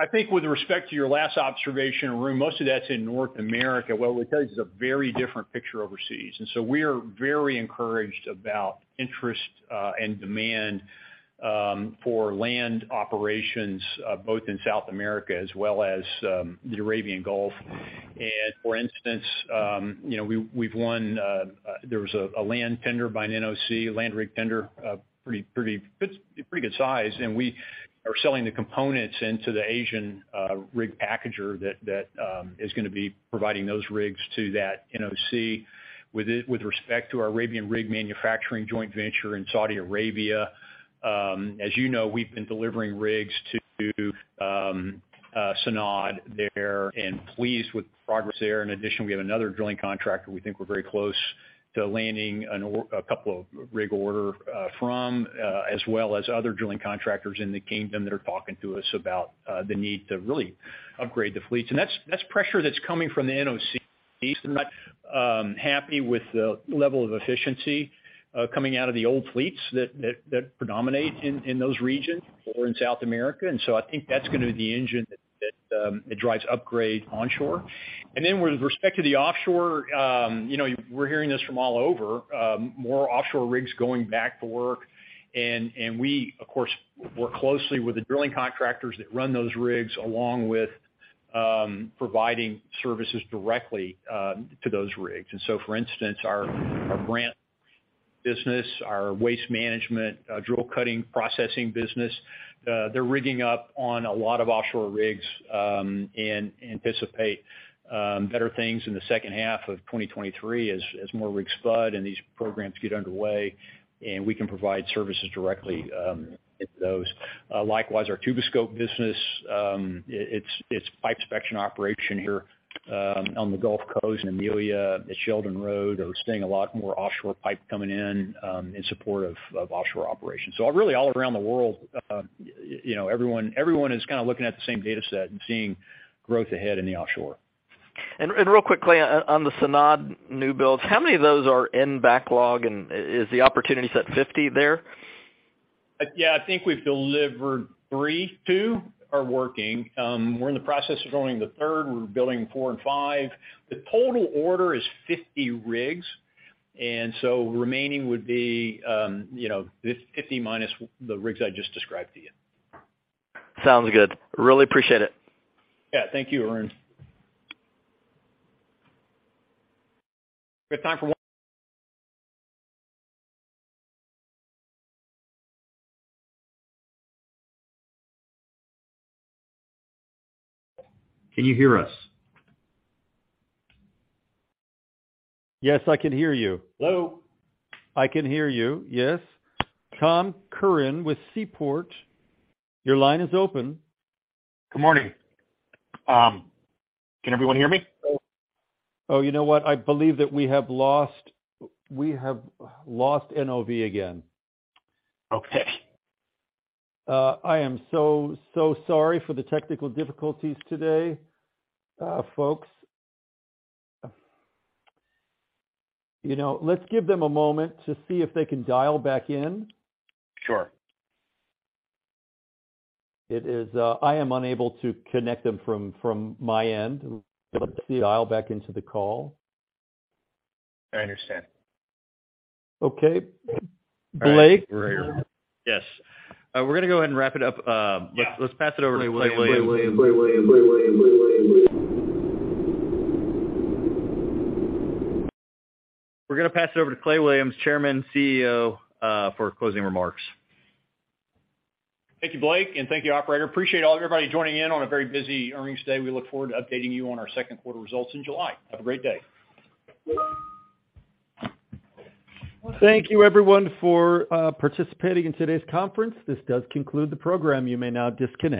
I think with respect to your last observation, Arun, most of that's in North America. What we tell you is a very different picture overseas. We are very encouraged about interest and demand for land operations both in South America as well as the Arabian Gulf. For instance, you know, we've won a land tender by an NOC, land rig tender, pretty good size. We are selling the components into the Asian rig packager that is gonna be providing those rigs to that NOC. With respect to our Arabian Rig Manufacturing joint venture in Saudi Arabia, as you know, we've been delivering rigs to SANAD there and pleased with the progress there. In addition, we have another drilling contractor we think we're very close to landing a couple of rig order from, as well as other drilling contractors in the kingdom that are talking to us about the need to really upgrade the fleets. That's pressure that's coming from the NOCs. They're not happy with the level of efficiency coming out of the old fleets that predominate in those regions or in South America. I think that's gonna be the engine that drives upgrade onshore. With respect to the offshore, you know, we're hearing this from all over, more offshore rigs going back to work. We, of course, work closely with the drilling contractors that run those rigs, along with providing services directly to those rigs. For instance, our brand business, our waste management, drill cutting processing business, they're rigging up on a lot of offshore rigs, and anticipate better things in the second half of 2023 as more rigs spud and these programs get underway, and we can provide services directly into those. Our Tuboscope business, it's pipe inspection operation here, on the Gulf Coast and Amelia, at Sheldon Road, are seeing a lot more offshore pipe coming in support of offshore operations. Really all around the world, you know, everyone is kind of looking at the same data set and seeing growth ahead in the offshore. Real quickly on the SANAD new builds, how many of those are in backlog? Is the opportunity set 50 there? Yeah, I think we've delivered three. Two are working. We're in the process of building the third. We're building four and five. The total order is 50 rigs, so remaining would be, you know, 50 minus the rigs I just described to you. Sounds good. Really appreciate it. Yeah, thank you, Arun. We have time for one- Can you hear us? Yes, I can hear you. Hello. I can hear you. Yes. Tom Curran with Seaport, your line is open. Good morning. Can everyone hear me? Oh, you know what? I believe that we have lost NOV again. Okay. I am so sorry for the technical difficulties today, folks. You know, let's give them a moment to see if they can dial back in. Sure. It is, I am unable to connect them from my end. Let's see if they dial back into the call. I understand. Okay. Blake? All right. We're here. Yes. We're gonna go ahead and wrap it up. Yeah. Let's pass it over to Clay Williams. We're gonna pass it over to Clay Williams, Chairman, CEO, for closing remarks. Thank you, Blake. Thank you, operator. Appreciate everybody joining in on a very busy earnings day. We look forward to updating you on our second quarter results in July. Have a great day. Thank you everyone for participating in today's conference. This does conclude the program. You may now disconnect.